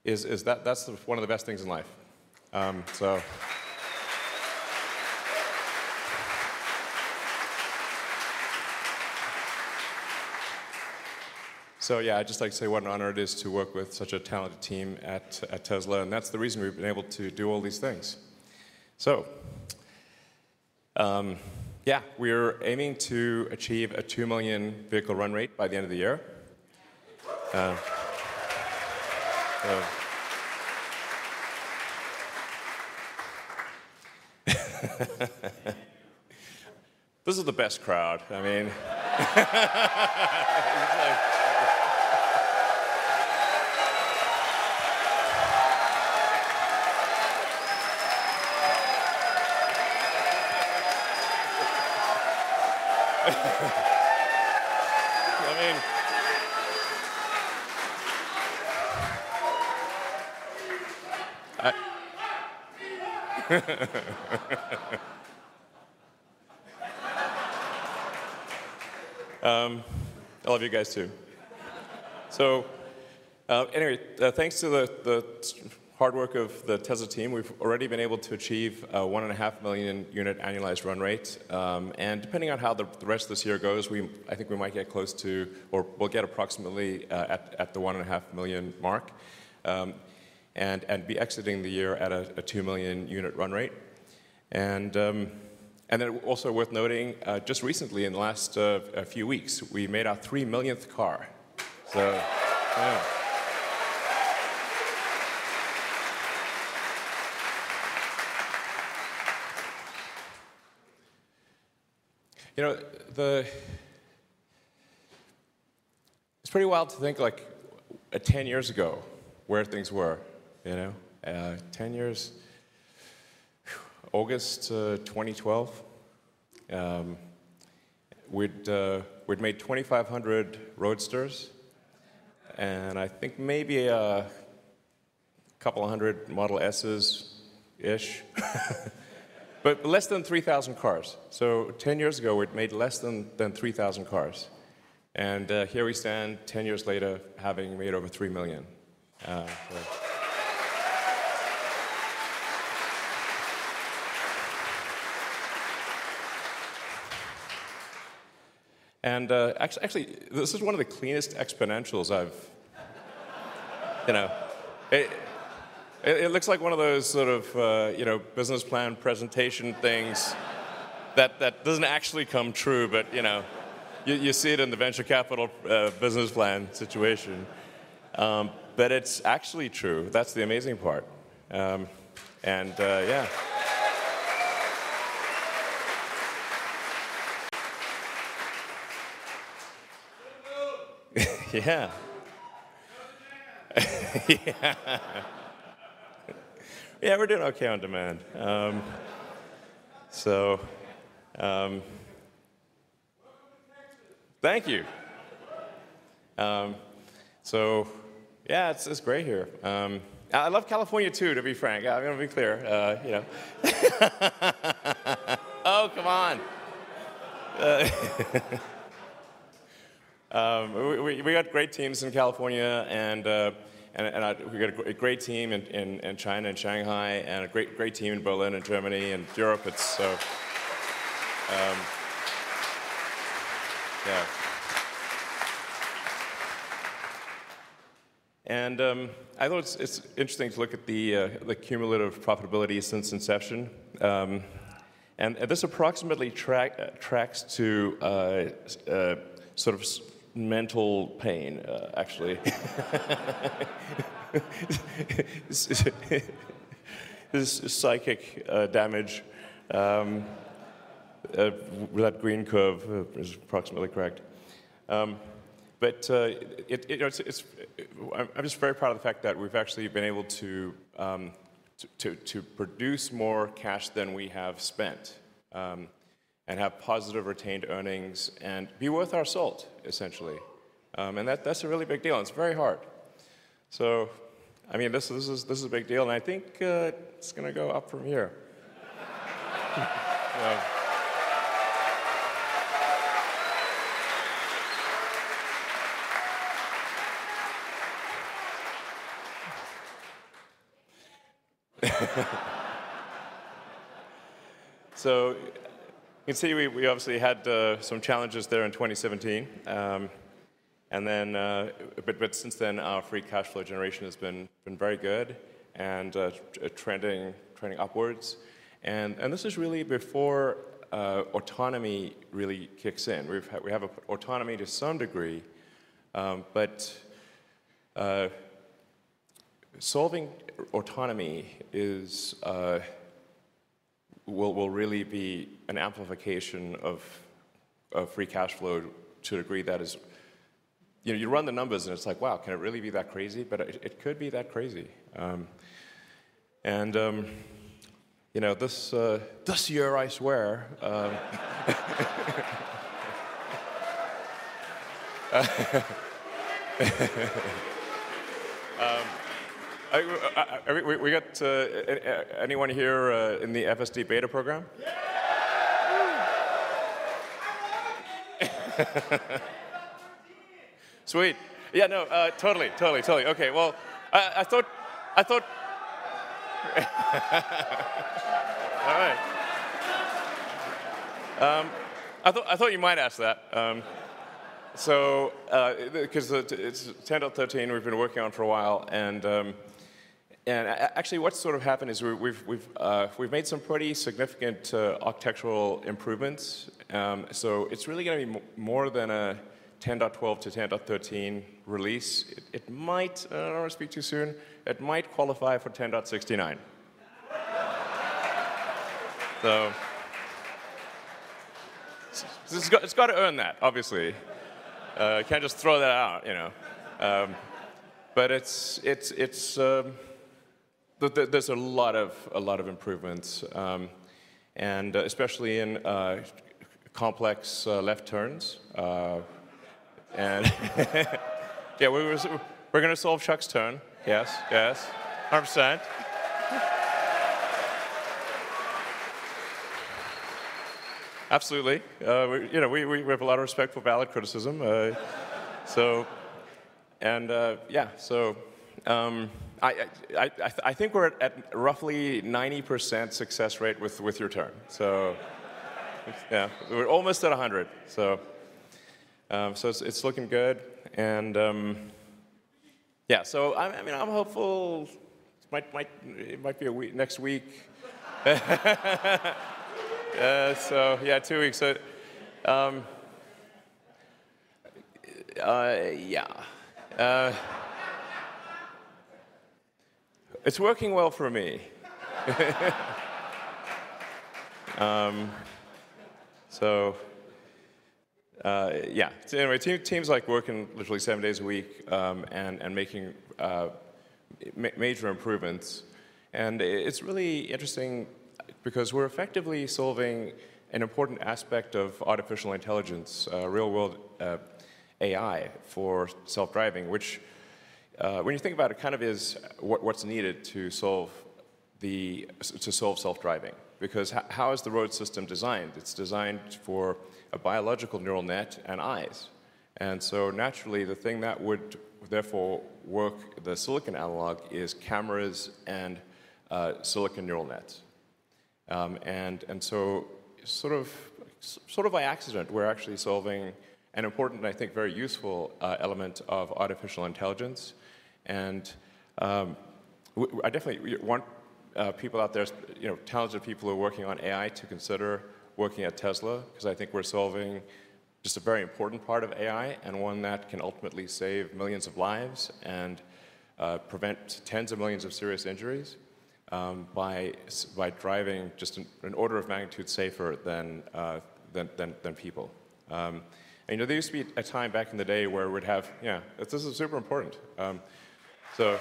is that that's the one of the best things in life. I'd just like to say what an honor it is to work with such a talented team at Tesla, and that's the reason we've been able to do all these things. We're aiming to achieve a 2 million vehicle run rate by the end of the year. This is the best crowd. I love you guys too. Thanks to the hard work of the Tesla team, we've already been able to achieve a 1.5 million unit annualized run rate. Depending on how the rest of this year goes, we I think we might get close to, or we'll get approximately at the 1.5 million mark, and be exiting the year at a 2 million unit run rate. Then also worth noting, just recently in the last few weeks, we made our 3 millionth car. It's pretty wild to think, like, 10 years ago where things were, you know? 10 years, August 2012, we'd made 2,500 Roadsters and I think maybe couple hundred Model S's-ish. But less than 3,000 cars. 10 years ago, we'd made less than 3,000 cars. Here we stand 10 years later, having made over 3 million. Actually, this is one of the cleanest exponentials I've. You know, it looks like one of those sort of, you know, business plan presentation things that doesn't actually come true, but, you know, you see it in the venture capital business plan situation. But it's actually true. That's the amazing part. Yeah. Good move. Yeah. Show the demand. Yeah. Yeah, we're doing okay on demand. Welcome to Texas. Thank you. So yeah, it's great here. I love California too, to be frank. I wanna be clear, you know. Boo. Oh, come on. We got great teams in California, and we got a great team in China, in Shanghai, and a great team in Berlin and Germany and Europe. It's yeah. I thought it's interesting to look at the cumulative profitability since inception. This approximately tracks to sort of seminal pain, actually. This psychic damage with that green curve is approximately correct. It you know it's. I'm just very proud of the fact that we've actually been able to produce more cash than we have spent, and have positive retained earnings and be worth our salt, essentially. That's a really big deal, and it's very hard. I mean, this is a big deal, and I think it's gonna go up from here. You can see we obviously had some challenges there in 2017. But since then, our free cash flow generation has been very good and trending upwards. This is really before autonomy really kicks in. We have autonomy to some degree, but solving autonomy will really be an amplification of free cash flow to a degree that is... You know, you run the numbers, and it's like, "Wow, can it really be that crazy?" It could be that crazy. You know, this year, I swear, we got anyone here in the FSD beta program? Sweet. Yeah, no, totally. Okay, well, I thought. All right. I thought you might ask that. Because it's 10.13 we've been working on for a while, and actually, what's sort of happened is we've made some pretty significant architectural improvements. It's really gonna be more than a 10.12-10.13 release. It might, I don't wanna speak too soon, it might qualify for 10.69. It's gotta earn that, obviously. Can't just throw that out, you know. It's. There's a lot of improvements and especially in complex left turns. Yeah, we're gonna solve Chuck's turn. Yes. 100%. Absolutely. We, you know, have a lot of respect for valid criticism. And yeah. I think we're at roughly 90% success rate with your turn. So. Yeah, we're almost at 100%. It's looking good. Yeah, so I mean, I'm hopeful. It might be next week. Yeah, two weeks. Yeah. It's working well for me. Yeah. Anyway, team's like working literally seven days a week and making major improvements. It's really interesting because we're effectively solving an important aspect of artificial intelligence, real world AI for self-driving, which, when you think about it, kind of is what's needed to solve self-driving. Because how is the road system designed? It's designed for a biological neural net and eyes. So naturally, the thing that would therefore work, the silicon analog, is cameras and silicon neural nets. So sort of by accident, we're actually solving an important, and I think very useful, element of artificial intelligence. I definitely want people out there, you know, talented people who are working on AI to consider working at Tesla, 'cause I think we're solving just a very important part of AI and one that can ultimately save millions of lives and prevent tens of millions of serious injuries by driving just an order of magnitude safer than people. You know, there used to be a time back in the day where we'd have. Yeah, this is super important. So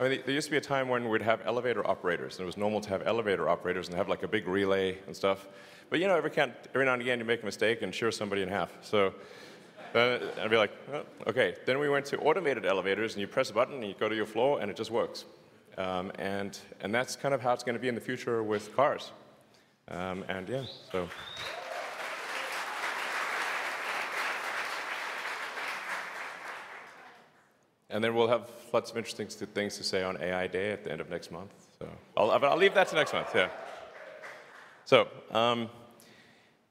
I mean, there used to be a time when we'd have elevator operators, and it was normal to have elevator operators and have, like, a big relay and stuff. But you know, every now and again, you make a mistake and shear somebody in half, so. Be like, "Oh, okay." Then we went to automated elevators, and you press a button, and you go to your floor, and it just works. That's kind of how it's gonna be in the future with cars. Then we'll have lots of interesting things to say on AI Day at the end of next month, so. I'll leave that to next month, yeah.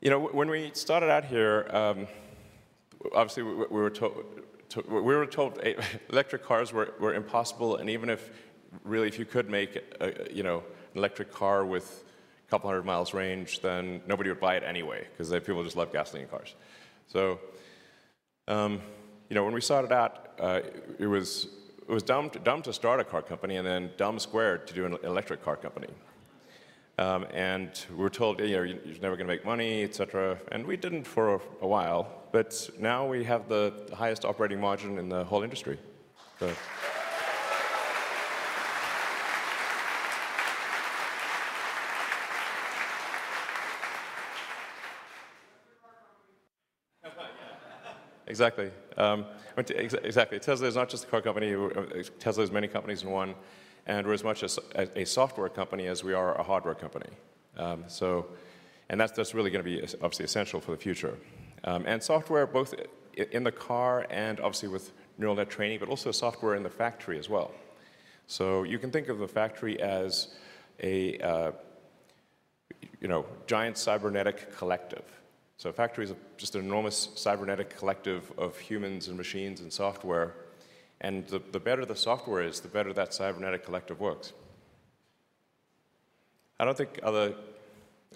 You know, when we started out here, obviously we were told electric cars were impossible, and even if, really, if you could make a, you know, an electric car with a couple hundred miles range, then nobody would buy it anyway, 'cause people just love gasoline cars. you know, when we started out, it was dumb to start a car company and then dumb squared to do an electric car company. We were told, "You're just never gonna make money," et cetera. We didn't for a while, but now we have the highest operating margin in the whole industry. Exactly. Tesla is not just a car company. Tesla is many companies in one, and we're as much a software company as we are a hardware company. That's really gonna be obviously essential for the future. Software both in the car and obviously with neural net training, but also software in the factory as well. You can think of the factory as a you know, giant cybernetic collective. A factory's just an enormous cybernetic collective of humans and machines and software, and the better the software is, the better that cybernetic collective works. I don't think other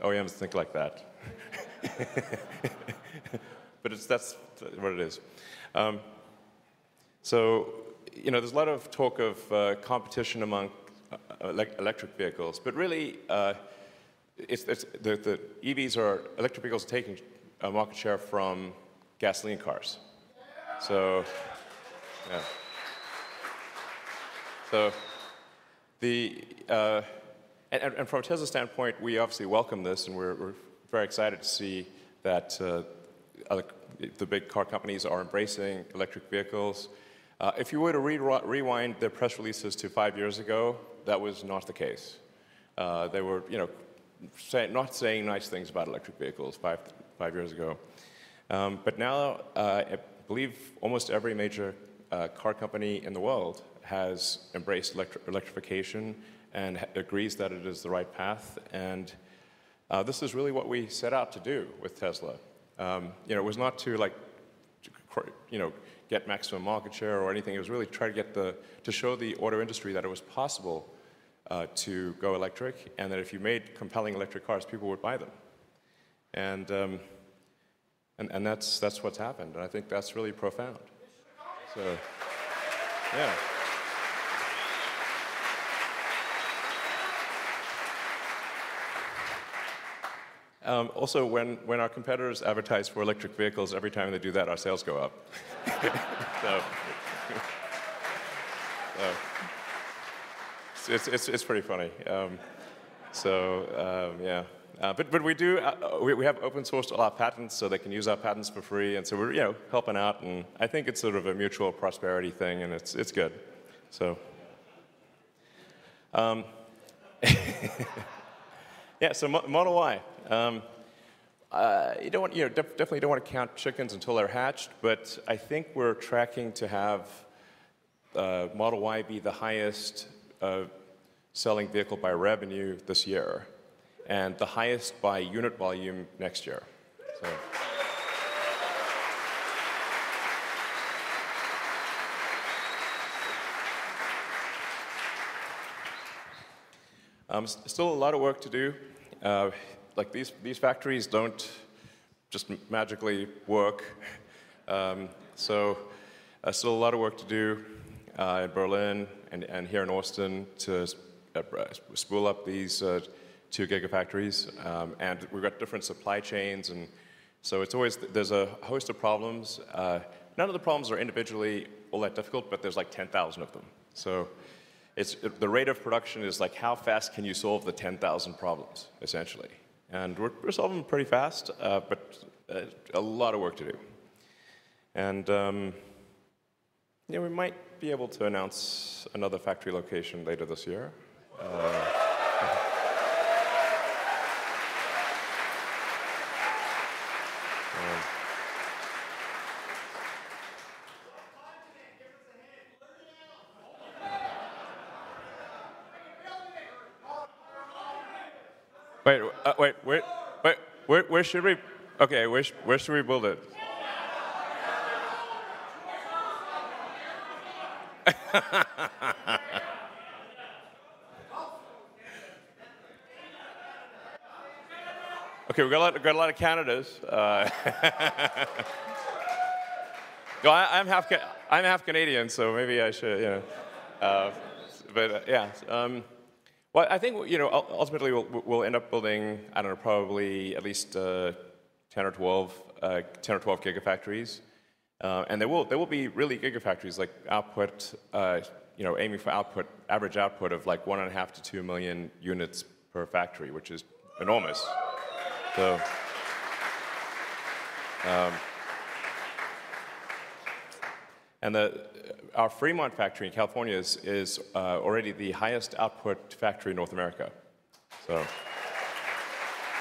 OEMs think like that. That's what it is. You know, there's a lot of talk of competition among electric vehicles, but really, it's the EVs, electric vehicles, are taking market share from gasoline cars. Yeah! From a Tesla standpoint, we obviously welcome this, and we're very excited to see that the big car companies are embracing electric vehicles. If you were to rewind their press releases to five years ago, that was not the case. They were, you know, not saying nice things about electric vehicles five years ago. Now, I believe almost every major car company in the world has embraced electrification and agrees that it is the right path, and this is really what we set out to do with Tesla. You know, it was not to, like, you know, get maximum market share or anything. It was really to try to show the auto industry that it was possible to go electric, and that if you made compelling electric cars, people would buy them. That's what's happened, and I think that's really profound. Mission accomplished. Yeah. Also, when our competitors advertise for electric vehicles, every time they do that, our sales go up. It's pretty funny. Yeah. We have open sourced a lot of patents, so they can use our patents for free. We're, you know, helping out, and I think it's sort of a mutual prosperity thing, and it's good. Yeah, Model Y. You don't want, you know, definitely don't want to count chickens until they're hatched. I think we're tracking to have Model Y be the highest selling vehicle by revenue this year, and the highest by unit volume next year. Still a lot of work to do. Like, these factories don't just magically work. Still a lot of work to do in Berlin and here in Austin to spool up these 2 Gigafactories. We've got different supply chains, so it's always a host of problems. None of the problems are individually all that difficult, but there's like 10,000 of them. The rate of production is, like, how fast can you solve the 10,000 problems, essentially. We're solving them pretty fast, but a lot of work to do. Yeah, we might be able to announce another factory location later this year. What continent? Give us a hint. Blurt it out. Where should we build it? We got a lot of candidates. No, I'm half Canadian, so maybe I should, you know. Yeah. Well, I think, you know, ultimately we'll end up building, I don't know, probably at least 10 or 12 Gigafactories. They will be really Gigafactories, aiming for average output of like 1.5-2 million units per factory, which is enormous. Our Fremont factory in California is already the highest output factory in North America. How long before Giga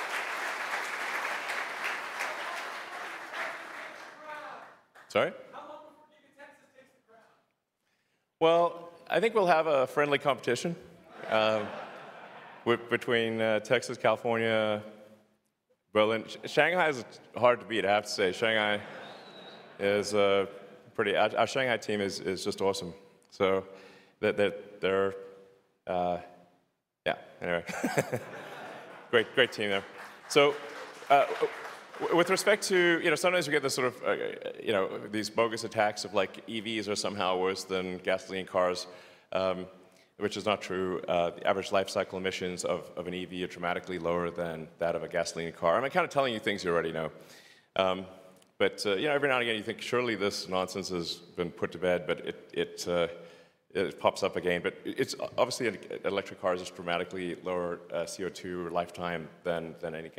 Texas takes the crown? Well, I think we'll have a friendly competition between Texas, California, Berlin. Shanghai is hard to beat, I have to say. Shanghai is pretty. Our Shanghai team is just awesome, so. They're yeah, anyway. Great team there. With respect to, you know, sometimes we get this sort of, you know, these bogus attacks of, like, EVs are somehow worse than gasoline cars, which is not true. The average life cycle emissions of an EV are dramatically lower than that of a gasoline car. I'm kind of telling you things you already know. You know, every now and again, you think, "Surely this nonsense has been put to bed," but it pops up again. It's obviously electric cars has dramatically lower CO2 lifetime than any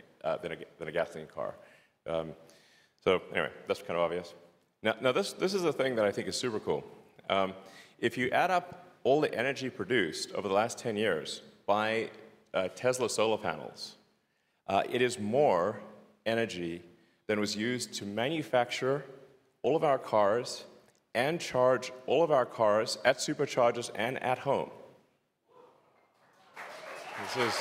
gasoline car. Anyway, that's kind of obvious. Now this is a thing that I think is super cool. If you add up all the energy produced over the last 10 years by Tesla solar panels, it is more energy than was used to manufacture all of our cars and charge all of our cars at Superchargers and at home. This is.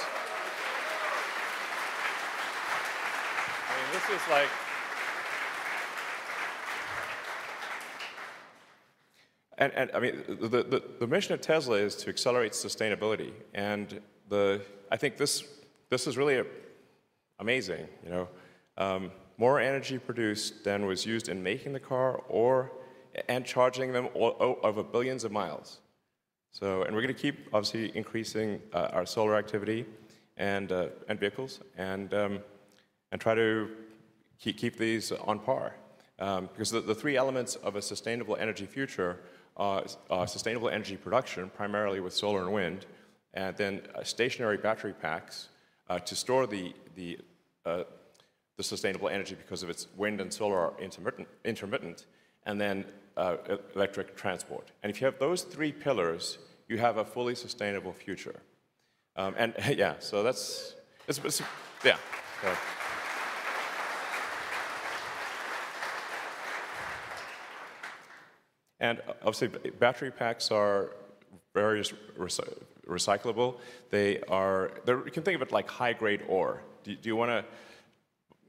I mean, this is like. I mean, the mission of Tesla is to accelerate sustainability, and I think this is really amazing, you know. More energy produced than was used in making the car or charging them over billions of miles. We're gonna keep obviously increasing our solar activity and vehicles and try to keep these on par. Because the three elements of a sustainable energy future are sustainable energy production, primarily with solar and wind, and then stationary battery packs to store the sustainable energy because wind and solar are intermittent, and then electric transport. If you have those three pillars, you have a fully sustainable future. Yeah, so that's it, yeah. Obviously battery packs are very recyclable. They are. You can think of it like high-grade ore. Do you wanna,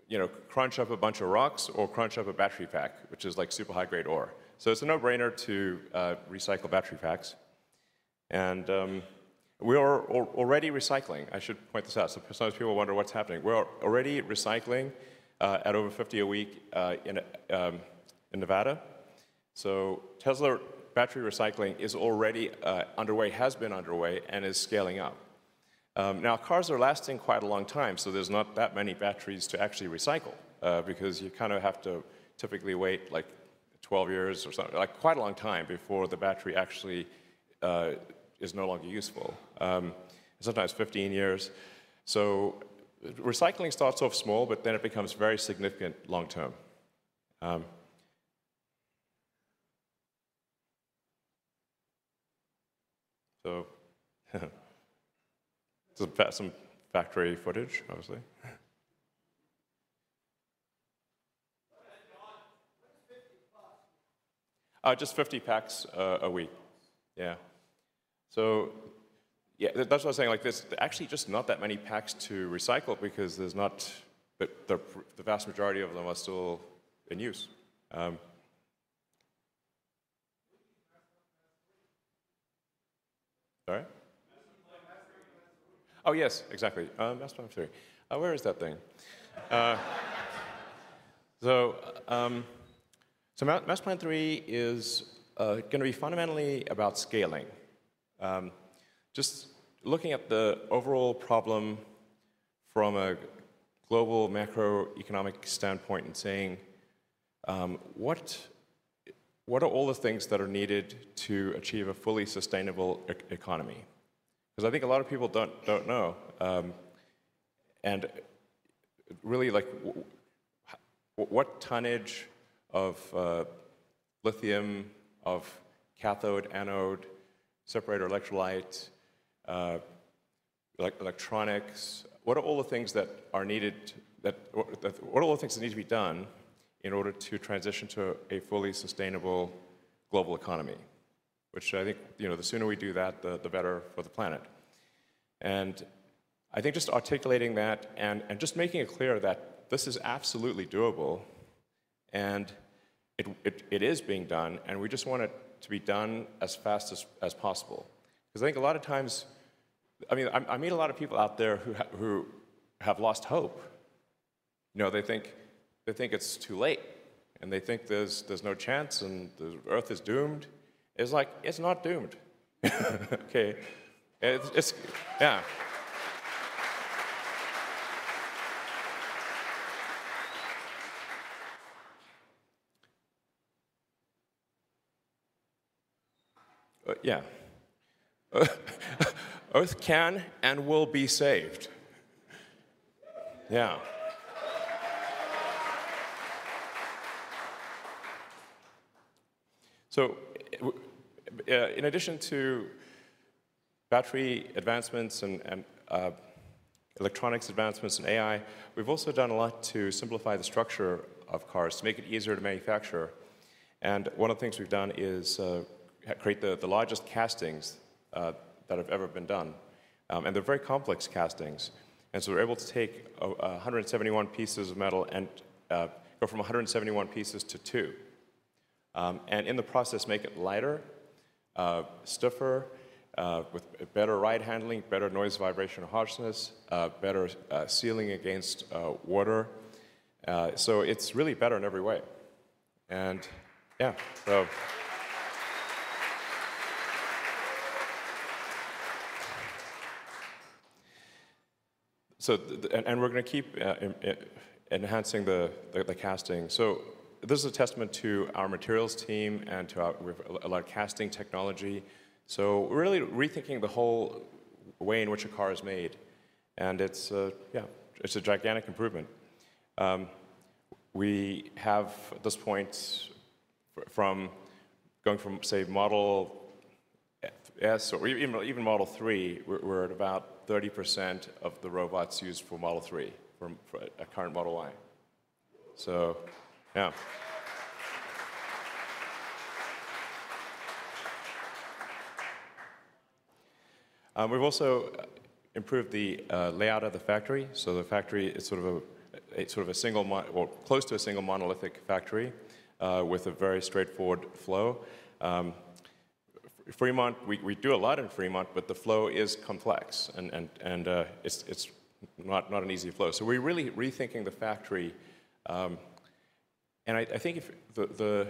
you know, crunch up a bunch of rocks or crunch up a battery pack, which is like super high-grade ore. It's a no-brainer to recycle battery packs. We are already recycling. I should point this out, so for some people wonder what's happening. We're already recycling at over 50 a week in Nevada. Tesla battery recycling is already underway, has been underway, and is scaling up. Now cars are lasting quite a long time, so there's not that many batteries to actually recycle, because you kind of have to typically wait like 12 years or something, like quite a long time before the battery actually is no longer useful, sometimes 15 years. Recycling starts off small, but then it becomes very significant long term. Some factory footage, obviously. Go ahead, John. What is 50 packs? Just 50 packs a week. Yeah, that's what I was saying, like there's actually just not that many packs to recycle because the vast majority of them are still in use. What do you mean, Master Plan 3? Sorry? Master Plan 3. Oh, yes, exactly, Master Plan Part 3. Where is that thing? Master Plan Part 3 is gonna be fundamentally about scaling. Just looking at the overall problem from a global macroeconomic standpoint and saying, what are all the things that are needed to achieve a fully sustainable economy? 'Cause I think a lot of people don't know. Really like what tonnage of lithium, of cathode, anode, separator, electrolyte, electronics, what are all the things that are needed, what are all the things that need to be done in order to transition to a fully sustainable global economy? Which I think, you know, the sooner we do that, the better for the planet. I think just articulating that and just making it clear that this is absolutely doable, and it is being done, and we just want it to be done as fast as possible. 'Cause I think a lot of times I mean, I meet a lot of people out there who have lost hope. You know, they think it's too late, and they think there's no chance and the Earth is doomed. It's like, it's not doomed. Okay. Yeah. Earth can and will be saved. Yeah. In addition to battery advancements and electronics advancements and AI, we've also done a lot to simplify the structure of cars to make it easier to manufacture. One of the things we've done is create the largest castings that have ever been done. They're very complex castings. We're able to take 171 pieces of metal and go from 171 pieces to two. In the process, make it lighter, stiffer, with better ride handling, better noise vibration harshness, better sealing against water. It's really better in every way. We're gonna keep enhancing the casting. This is a testament to our materials team and to our a lot of casting technology. Really rethinking the whole way in which a car is made, and it's a gigantic improvement. We have at this point going from, say, Model S or even Model 3, we're at about 30% of the robots used for Model 3 from a current model line. Yeah. We've also improved the layout of the factory. The factory is sort of close to a single monolithic factory with a very straightforward flow. Fremont, we do a lot in Fremont, but the flow is complex and it's not an easy flow. We're really rethinking the factory and I think the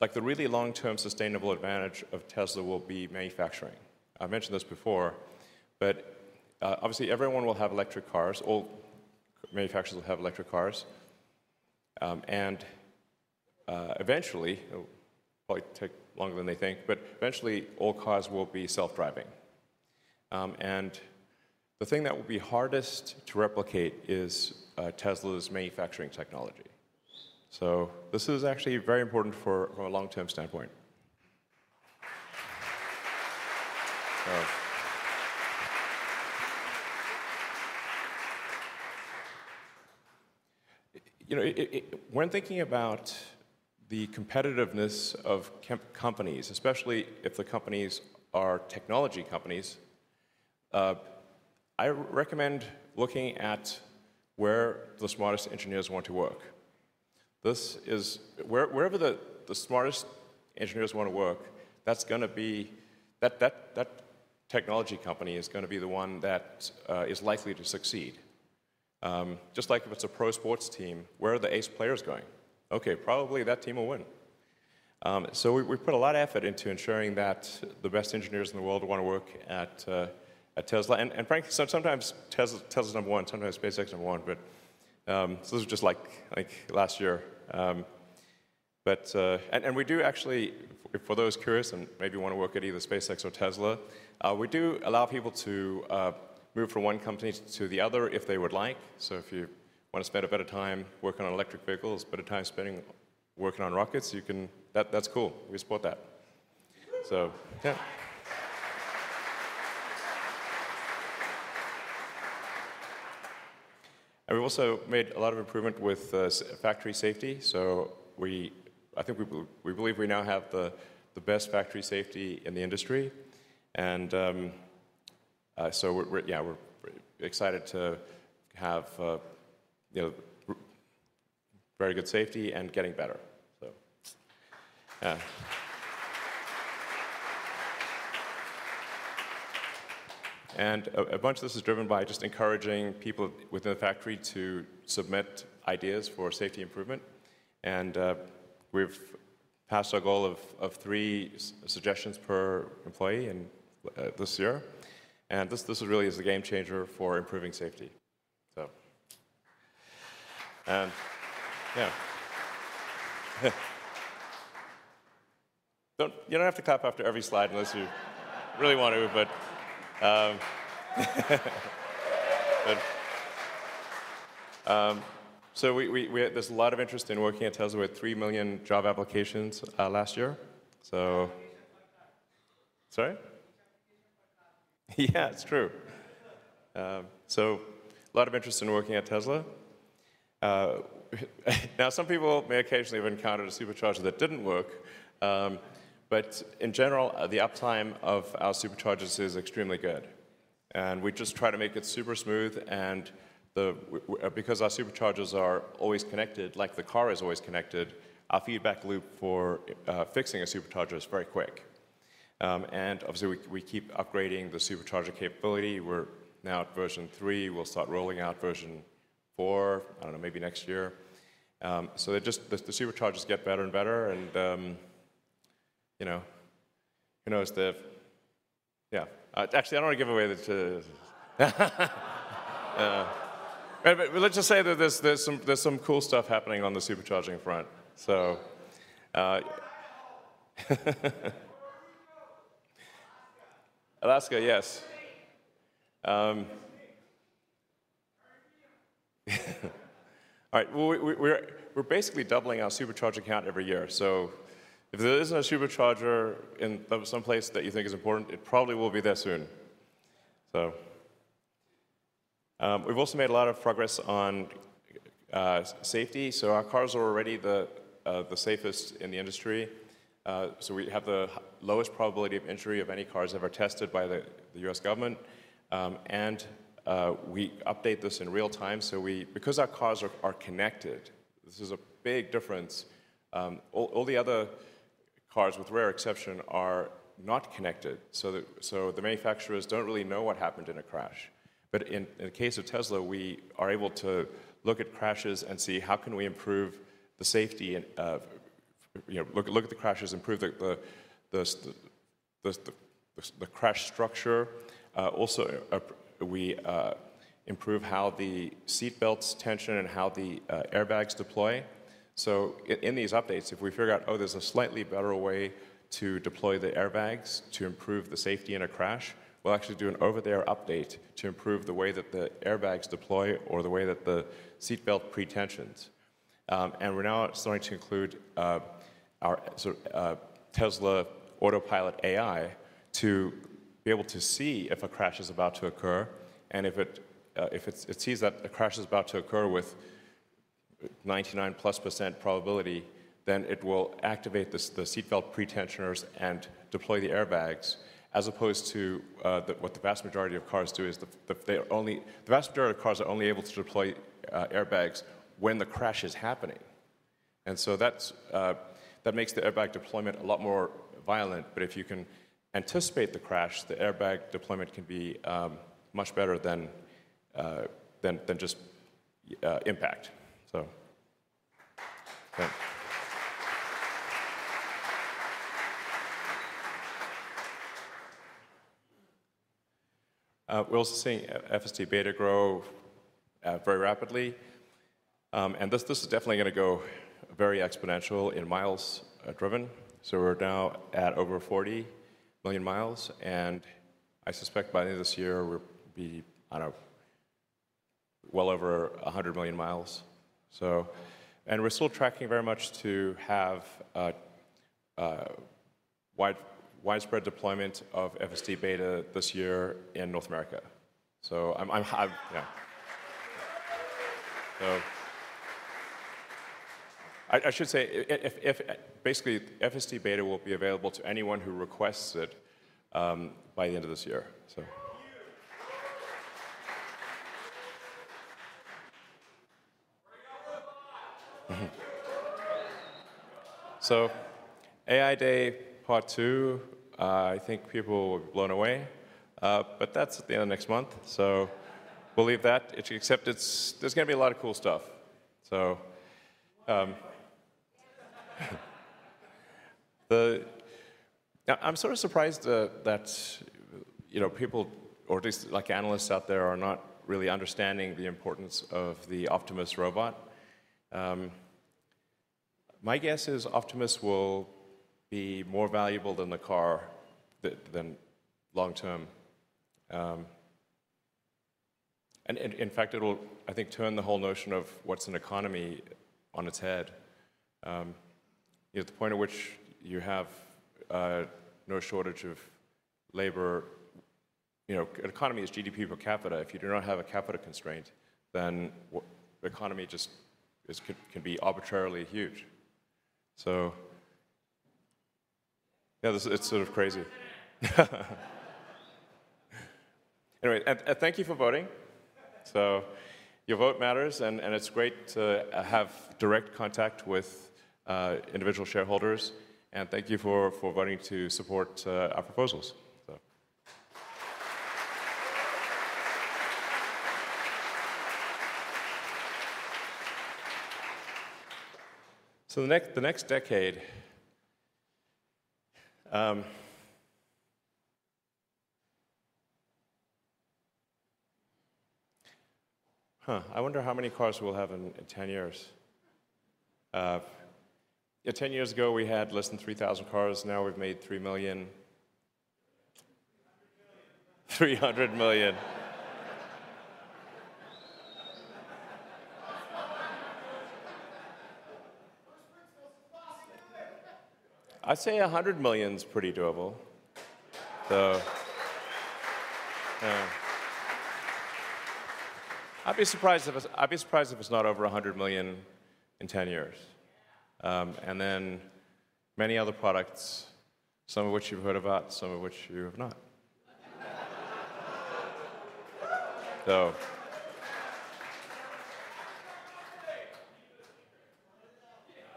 like, the really long-term sustainable advantage of Tesla will be manufacturing. I mentioned this before, but obviously everyone will have electric cars. All manufacturers will have electric cars. Eventually, it'll probably take longer than they think, but eventually, all cars will be self-driving. The thing that will be hardest to replicate is Tesla's manufacturing technology. This is actually very important for, from a long-term standpoint. You know, it, when thinking about the competitiveness of companies, especially if the companies are technology companies, I recommend looking at where the smartest engineers want to work. Wherever the smartest engineers wanna work, that's gonna be, that technology company is gonna be the one that is likely to succeed. Just like if it's a pro sports team, where are the ace players going? Okay, probably that team will win. We put a lot of effort into ensuring that the best engineers in the world wanna work at Tesla. Frankly, sometimes Tesla's number one, sometimes SpaceX is number one, but this was just last year. We do actually, for those curious and maybe wanna work at either SpaceX or Tesla, we do allow people to move from one company to the other if they would like. If you wanna spend a bit of time working on electric vehicles, a bit of time spending working on rockets, you can. That's cool. We support that. Yeah. We've also made a lot of improvement with factory safety. I think we believe we now have the best factory safety in the industry. We're excited to have very good safety and getting better, yeah. A bunch of this is driven by just encouraging people within the factory to submit ideas for safety improvement. We've passed our goal of three suggestions per employee in this year. This really is a game changer for improving safety. Yeah. You don't have to clap after every slide unless you really want to, but. There's a lot of interest in working at Tesla. We had 3 million job applications last year. Sorry? Yeah, it's true. Lot of interest in working at Tesla. Now some people may occasionally have encountered a Supercharger that didn't work, but in general, the uptime of our Superchargers is extremely good. We just try to make it super smooth, because our Superchargers are always connected, like the car is always connected, our feedback loop for fixing a Supercharger is very quick. Obviously we keep upgrading the Supercharger capability. We're now at version three. We'll start rolling out version four, I don't know, maybe next year. They just get better and better, and you know, who knows. Yeah. Actually, I don't wanna give away the, but let's just say that there's some cool stuff happening on the Supercharging front. Alaska. Alaska, yes. All right. Well, we're basically doubling our Supercharger count every year, so if there isn't a Supercharger in some place that you think is important, it probably will be there soon. We've also made a lot of progress on safety. Our cars are already the safest in the industry. We have the lowest probability of injury of any cars ever tested by the U.S. government. We update this in real time because our cars are connected, this is a big difference. All the other cars, with rare exception, are not connected, so the manufacturers don't really know what happened in a crash. In the case of Tesla, we are able to look at crashes and see how we can improve the safety and look at the crashes, improve the crash structure. Also, we improve how the seat belts tension and how the airbags deploy. In these updates, if we figure out, oh, there's a slightly better way to deploy the airbags to improve the safety in a crash, we'll actually do an over-the-air update to improve the way that the airbags deploy or the way that the seat belt pre-tensions. We're now starting to include our Tesla Autopilot AI to be able to see if a crash is about to occur, and if it sees that a crash is about to occur with 99%+ probability, then it will activate the seat belt pre-tensioners and deploy the airbags, as opposed to the vast majority of cars are only able to deploy airbags when the crash is happening. That makes the airbag deployment a lot more violent. If you can anticipate the crash, the airbag deployment can be much better than just impact. Thanks. We're also seeing FSD Beta grow very rapidly. This is definitely gonna go very exponential in miles driven. We're now at over 40 million miles, and I suspect by the end of this year, we'll be, I don't know, well over 100 million miles. We're still tracking very much to have a widespread deployment of FSD Beta this year in North America. I should say if, basically, FSD Beta will be available to anyone who requests it by the end of this year. Bring out the bot. AI Day part two, I think people were blown away. But that's at the end of next month. We'll leave that. Except it's, there's gonna be a lot of cool stuff. I'm sort of surprised that, you know, people, or at least like analysts out there, are not really understanding the importance of the Optimus robot. My guess is Optimus will be more valuable than the car long term. And in fact, it'll, I think, turn the whole notion of what's an economy on its head. You know, the point at which you have no shortage of labor, you know, an economy is GDP per capita. If you do not have a capita constraint, then the economy just can be arbitrarily huge. Yeah, this is, it's sort of crazy. Anyway, thank you for voting. Your vote matters, and it's great to have direct contact with individual shareholders, and thank you for voting to support our proposals. The next decade, I wonder how many cars we'll have in 10 years. Ten years ago we had less than 3,000 cars, now we've made 3 million. $300 million. $300 million. I'd say $100 million's pretty doable. Though, yeah. I'd be surprised if it's not over $100 million in 10 years. And then many other products, some of which you've heard about, some of which you have not.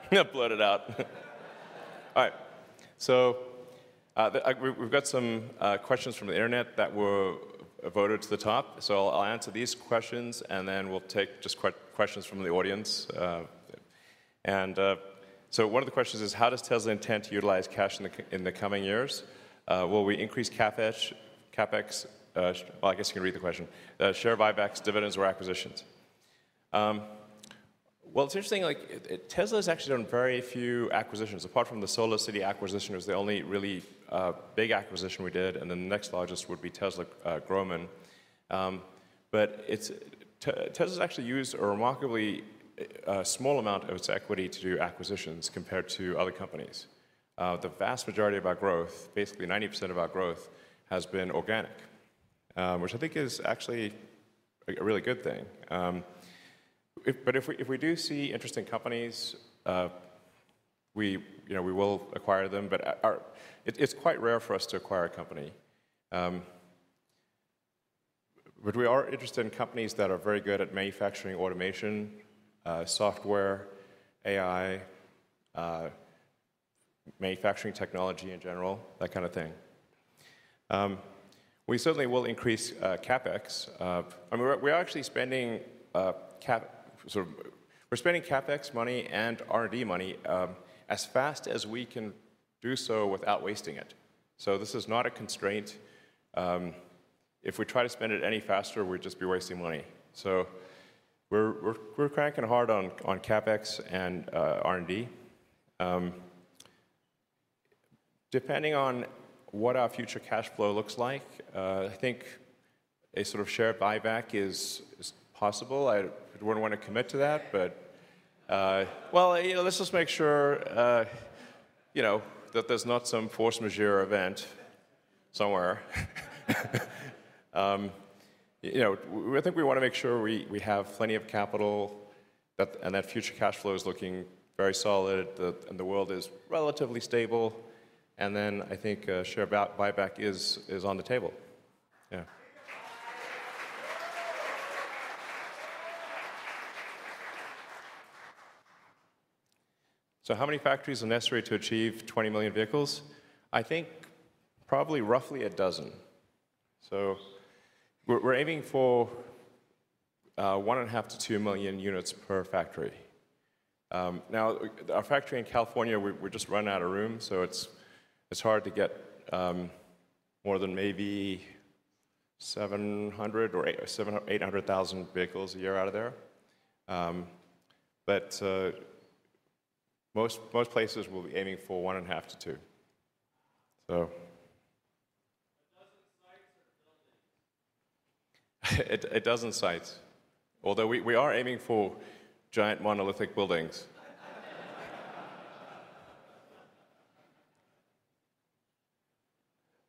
Yeah, blurt it out. All right. We've got some questions from the internet that were voted to the top. I'll answer these questions, and then we'll take just questions from the audience, and so one of the questions is: How does Tesla intend to utilize cash in the coming years? Will we increase CapEx, well, I guess you can read the question, share buybacks, dividends, or acquisitions? Well, it's interesting, like Tesla's actually done very few acquisitions. Apart from the SolarCity acquisition, it was the only really big acquisition we did, and then the next largest would be Tesla Grohmann. Tesla's actually used a remarkably small amount of its equity to do acquisitions compared to other companies. The vast majority of our growth, basically 90% of our growth, has been organic, which I think is actually a really good thing. If we do see interesting companies, you know, we will acquire them. It's quite rare for us to acquire a company. We are interested in companies that are very good at manufacturing automation, software, AI, manufacturing technology in general, that kind of thing. We certainly will increase CapEx. I mean, we're actually spending CapEx money and R&D money as fast as we can do so without wasting it. This is not a constraint. If we try to spend it any faster, we'd just be wasting money. We're cranking hard on CapEx and R&D. Depending on what our future cash flow looks like, I think a sort of share buyback is possible. I wouldn't want to commit to that, but well, you know, let's just make sure you know that there's not some force majeure event somewhere. You know, I think we want to make sure we have plenty of capital, and that future cash flow is looking very solid, and the world is relatively stable, and then I think a share buyback is on the table. Yeah. How many factories are necessary to achieve 20 million vehicles? I think probably roughly a dozen. We're aiming for 1.5-2 million units per factory. Now our factory in California, we're just running out of room, so it's hard to get more than maybe 700-800 thousand vehicles a year out of there. But most places we'll be aiming for 1.5-2. 12 sites or buildings? A dozen sites. Although we are aiming for giant monolithic buildings.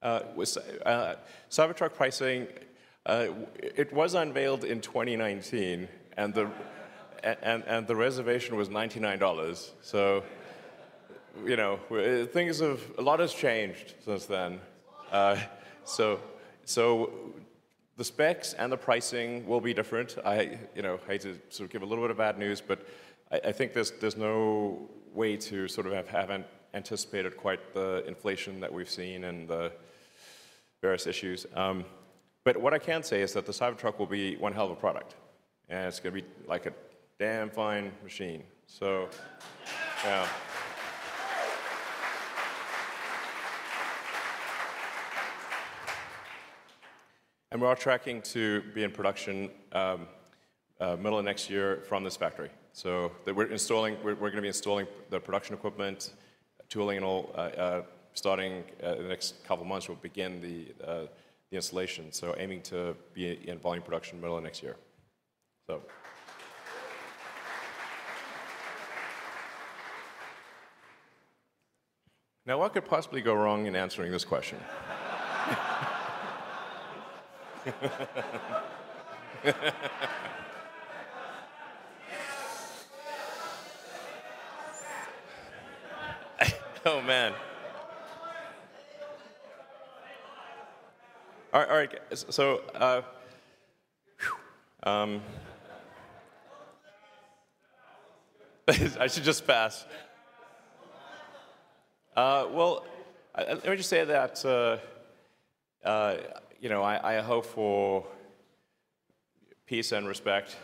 Cybertruck pricing, it was unveiled in 2019, and the reservation was $99, so you know, a lot has changed since then. The specs and the pricing will be different. I, you know, hate to sort of give a little bit of bad news, but I think there's no way to sort of have anticipated quite the inflation that we've seen and the various issues. What I can say is that the Cybertruck will be one hell of a product, and it's gonna be like a damn fine machine. Yeah. Yeah. We're on track to be in production middle of next year from this factory. We're installing. We're gonna be installing the production equipment, tooling and all, starting the next couple of months. We'll begin the installation. Aiming to be in volume production middle of next year. Now, what could possibly go wrong in answering this question? Oh, man. All right. I should just pass. Well, let me just say that, you know, I hope for peace and respect.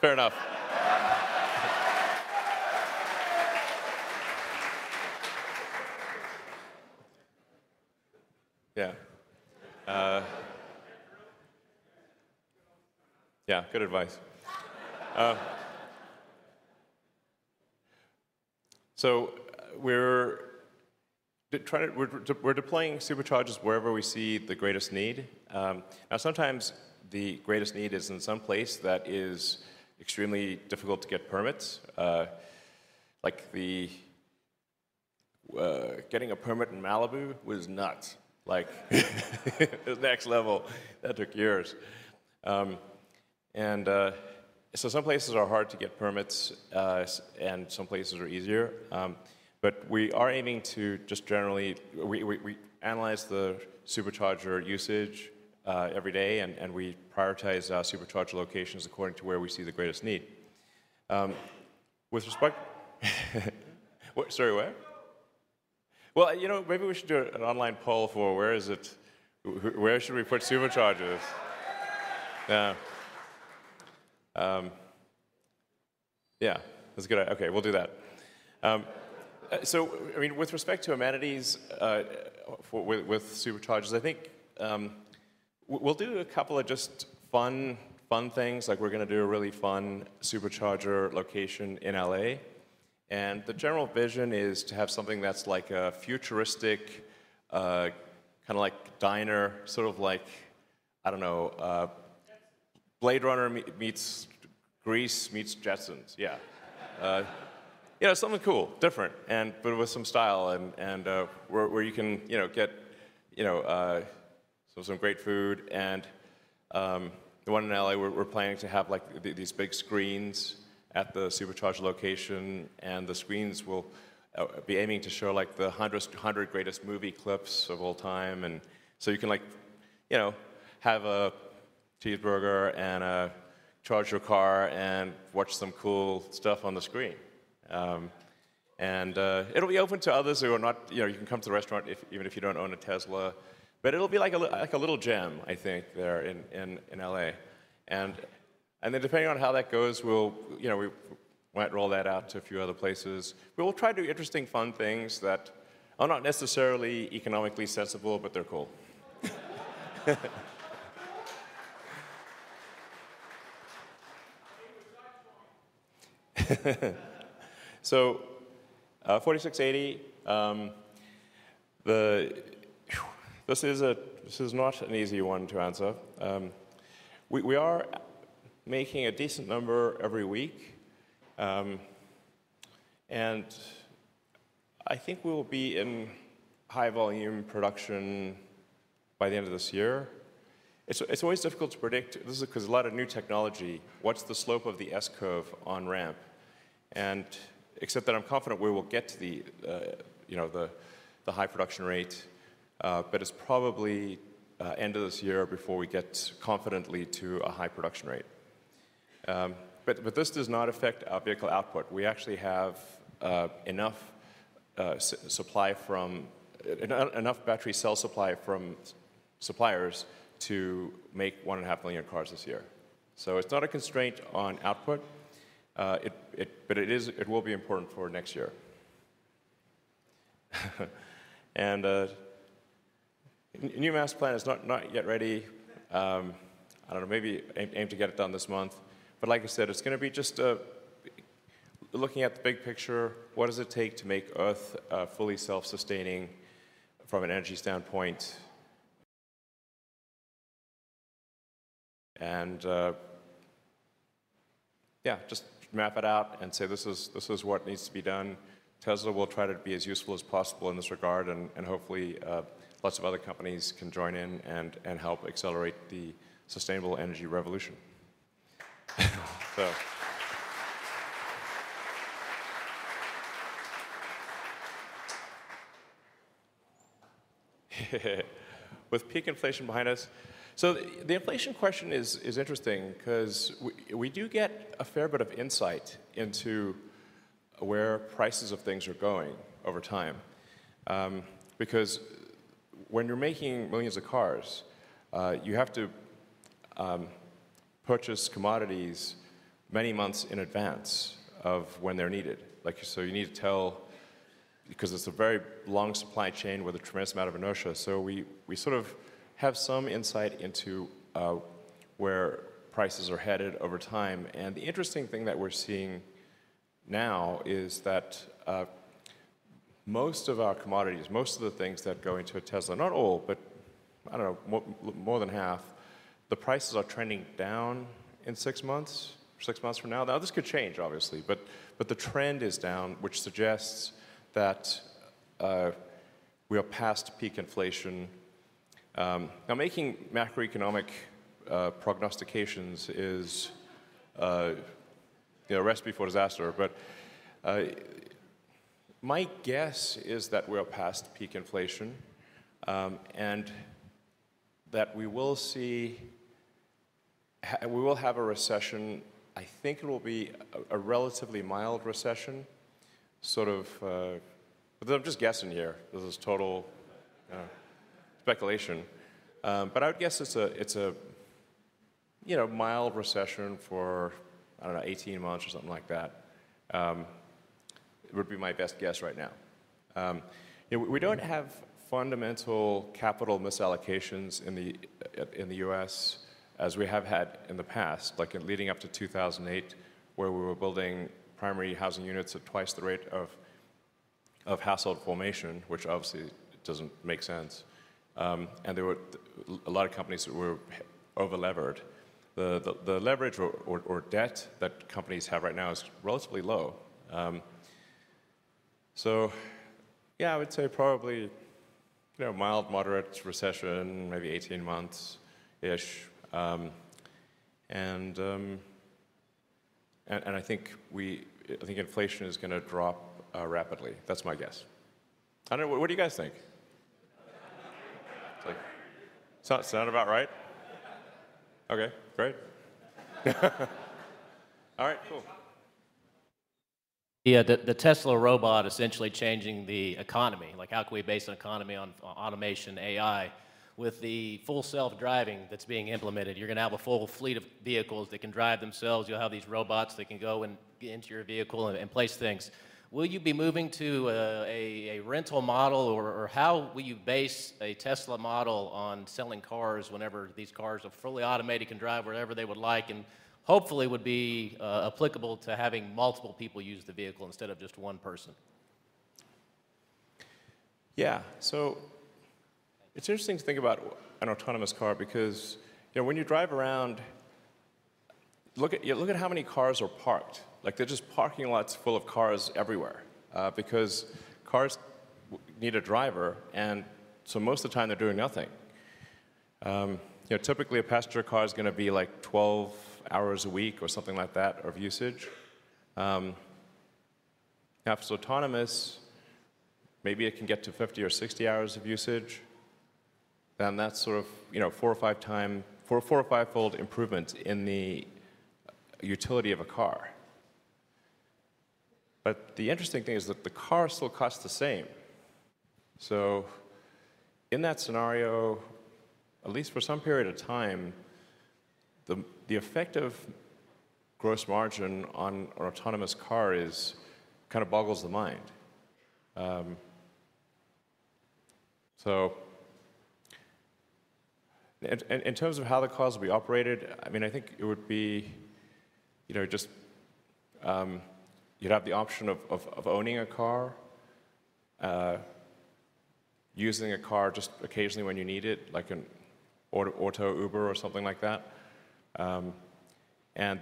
Fair enough. Yeah. Yeah, good advice. We're deploying Superchargers wherever we see the greatest need. Now sometimes the greatest need is in some place that is extremely difficult to get permits. Like getting a permit in Malibu was nuts. Like it was next level. That took years. Some places are hard to get permits, and some places are easier. We are aiming to just generally. We analyze the Supercharger usage every day, and we prioritize Supercharger locations according to where we see the greatest need. With respect. Sorry, what? Well, you know, maybe we should do an online poll for where is it, where should we put Superchargers? Yeah. Yeah, that's a good. Okay, we'll do that. I mean, with respect to amenities with Superchargers, I think we'll do a couple of just fun things, like we're gonna do a really fun Supercharger location in LA, and the general vision is to have something that's like a futuristic kinda like diner, sort of like, I don't know. Jetson. Blade Runner meets Grease meets The Jetsons, yeah. Yeah, something cool, different, and but with some style and where you can, you know, get, you know, so some great food. The one in L.A., we're planning to have, like, these big screens at the Supercharger location, and the screens will be aiming to show, like, the 100 greatest movie clips of all time. You can like, you know, have a cheeseburger, and charge your car, and watch some cool stuff on the screen. It'll be open to others who are not. You know, you can come to the restaurant if, even if you don't own a Tesla. It'll be like a little gem, I think, there in L.A. then depending on how that goes, we'll, you know, we might roll that out to a few other places. We'll try to do interesting, fun things that are not necessarily economically sensible, but they're cool. Save a spot for me. 4680, this is not an easy one to answer. We are making a decent number every week, and I think we will be in high volume production by the end of this year. It's always difficult to predict. This is 'cause a lot of new technology, what's the slope of the S-curve on-ramp? Except that I'm confident we will get to the, you know, the high production rate, but it's probably end of this year before we get confidently to a high production rate. But this does not affect our vehicle output. We actually have enough battery cell supply from suppliers to make 1.5 million cars this year. It's not a constraint on output. It is, it will be important for next year. New Master Plan is not yet ready. I don't know, maybe aim to get it done this month. Like I said, it's gonna be just looking at the big picture, what does it take to make Earth fully self-sustaining from an energy standpoint? Yeah, just map it out and say, "This is what needs to be done." Tesla will try to be as useful as possible in this regard, hopefully lots of other companies can join in and help accelerate the sustainable energy revolution. With peak inflation behind us. The inflation question is interesting 'cause we do get a fair bit of insight into where prices of things are going over time. Because when you're making millions of cars, you have to purchase commodities many months in advance of when they're needed. Like, because it's a very long supply chain with a tremendous amount of inertia, so we sort of have some insight into where prices are headed over time. The interesting thing that we're seeing now is that most of our commodities, most of the things that go into a Tesla, not all, but I don't know, more than half, the prices are trending down in six months, six months from now. Now, this could change, obviously. The trend is down, which suggests that we are past peak inflation. Now making macroeconomic prognostications is, you know, a recipe for disaster. My guess is that we are past peak inflation, and that we will have a recession. I think it will be a relatively mild recession, sort of. I'm just guessing here. This is total speculation. I would guess it's a you know mild recession for I don't know 18 months or something like that. Would be my best guess right now. You know, we don't have fundamental capital misallocations in the U.S. as we have had in the past, like in leading up to 2008, where we were building primary housing units at twice the rate of household formation, which obviously doesn't make sense. There were a lot of companies that were overleveraged. The leverage or debt that companies have right now is relatively low. Yeah, I would say probably, you know, mild, moderate recession, maybe 18 months-ish. I think inflation is gonna drop rapidly. That's my guess. I don't know, what do you guys think? Sounds about right? Yeah. Okay, great. All right, cool. Yeah, the Tesla robot essentially changing the economy, like how can we base an economy on automation, AI? With the full self-driving that's being implemented, you're gonna have a full fleet of vehicles that can drive themselves. You'll have these robots that can go and get into your vehicle and place things. Will you be moving to a rental model or how will you base a Tesla model on selling cars whenever these cars are fully automated, can drive wherever they would like, and hopefully would be applicable to having multiple people use the vehicle instead of just one person? Yeah. It's interesting to think about an autonomous car because, you know, when you drive around, look at how many cars are parked. Like, there are just parking lots full of cars everywhere, because cars need a driver, and so most of the time they're doing nothing. You know, typically a passenger car is gonna be like 12 hours a week or something like that of usage. Now if it's autonomous, maybe it can get to 50 or 60 hours of usage, then that's sort of, you know, four or five-fold improvement in the utility of a car. But the interesting thing is that the car still costs the same. In that scenario, at least for some period of time, the effect of gross margin on an autonomous car is, kind of boggles the mind. In terms of how the cars will be operated, I mean, I think it would be, you know, just, you'd have the option of owning a car, using a car just occasionally when you need it, like an auto Uber or something like that. An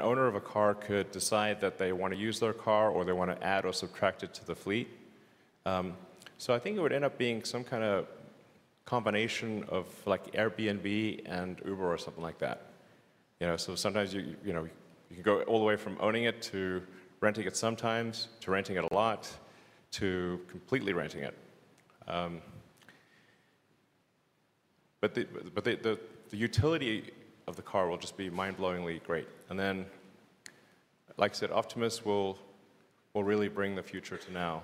owner of a car could decide that they wanna use their car or they wanna add or subtract it to the fleet. I think it would end up being some kinda combination of like Airbnb and Uber or something like that. You know, sometimes you know you can go all the way from owning it to renting it sometimes to renting it a lot to completely renting it. The utility of the car will just be mind-blowingly great. Then, like I said, Optimus will really bring the future to now.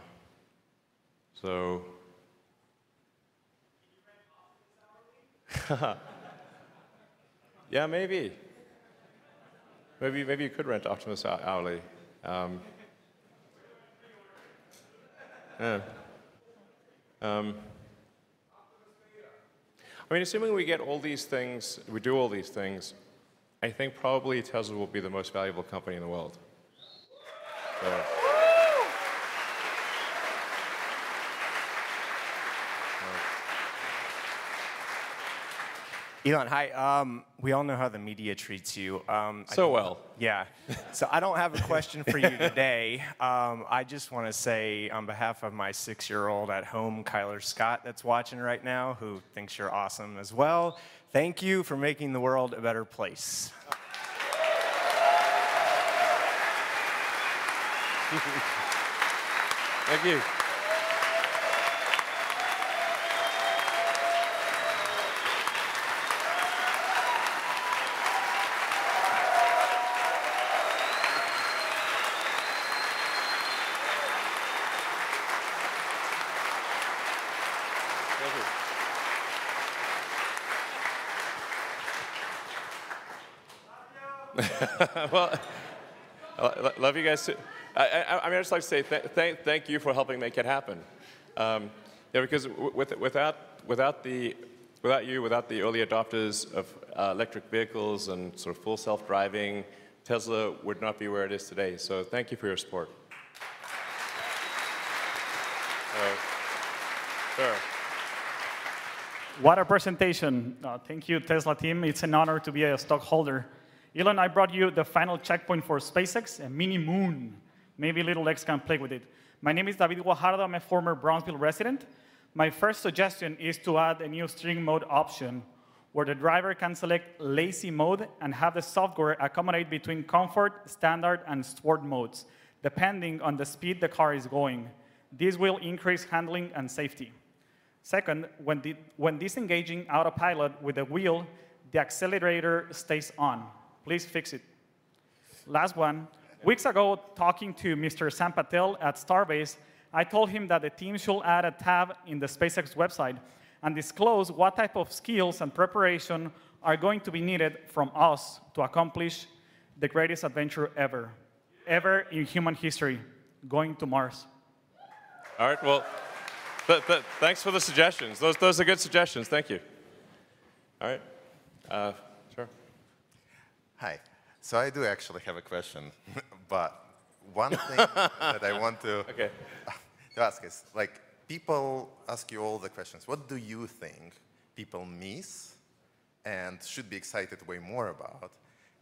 Can you rent Optimus hourly? Yeah, maybe. Maybe you could rent Optimus hourly. We're gonna preorder it. Yeah. Optimus for a year. I mean, assuming we get all these things, we do all these things, I think probably Tesla will be the most valuable company in the world. Yeah. All right. Elon, hi. We all know how the media treats you. I think. Well. Yeah. I don't have a question for you today. I just wanna say on behalf of my six-year-old at home, Kyler Scott, that's watching right now, who thinks you're awesome as well, thank you for making the world a better place. Thank you. Thank you. Love y'all. Well, love you guys too. I just wanted to say thank you for helping make it happen. You know, because without you, the early adopters of electric vehicles and sort of Full Self-Driving, Tesla would not be where it is today. Thank you for your support. All right. Sir. What a presentation. Thank you, Tesla team. It's an honor to be a stockholder. Elon, I brought you the final checkpoint for SpaceX, a mini moon. Maybe little legs can play with it. My name is David Guajardo. I'm a former Brownsville resident. My first suggestion is to add a new steering mode option where the driver can select lazy mode and have the software accommodate between comfort, standard, and sport modes depending on the speed the car is going. This will increase handling and safety. Second, when disengaging Autopilot with the wheel, the accelerator stays on. Please fix it. Last one. Weeks ago, talking to Mr. Sam Patel at Starbase, I told him that the team should add a tab in the SpaceX website and disclose what type of skills and preparation are going to be needed from us to accomplish the greatest adventure ever in human history: going to Mars. All right, well, thanks for the suggestions. Those are good suggestions. Thank you. All right. Sure. Hi. I do actually have a question, but one thing that I want to Okay The ask is, like, people ask you all the questions. What do you think people miss and should be excited way more about,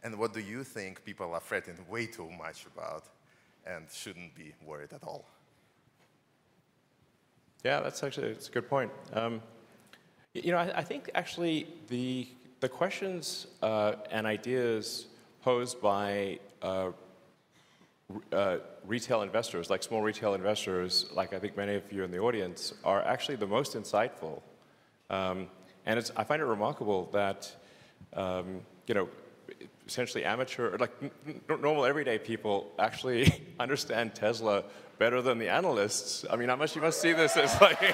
and what do you think people are frightened way too much about and shouldn't be worried at all? Yeah, that's a good point. You know, I think actually the questions and ideas posed by retail investors, like small retail investors, like I think many of you in the audience, are actually the most insightful. I find it remarkable that you know, essentially amateur or like normal everyday people actually understand Tesla better than the analysts. I mean, how much you must see this is like.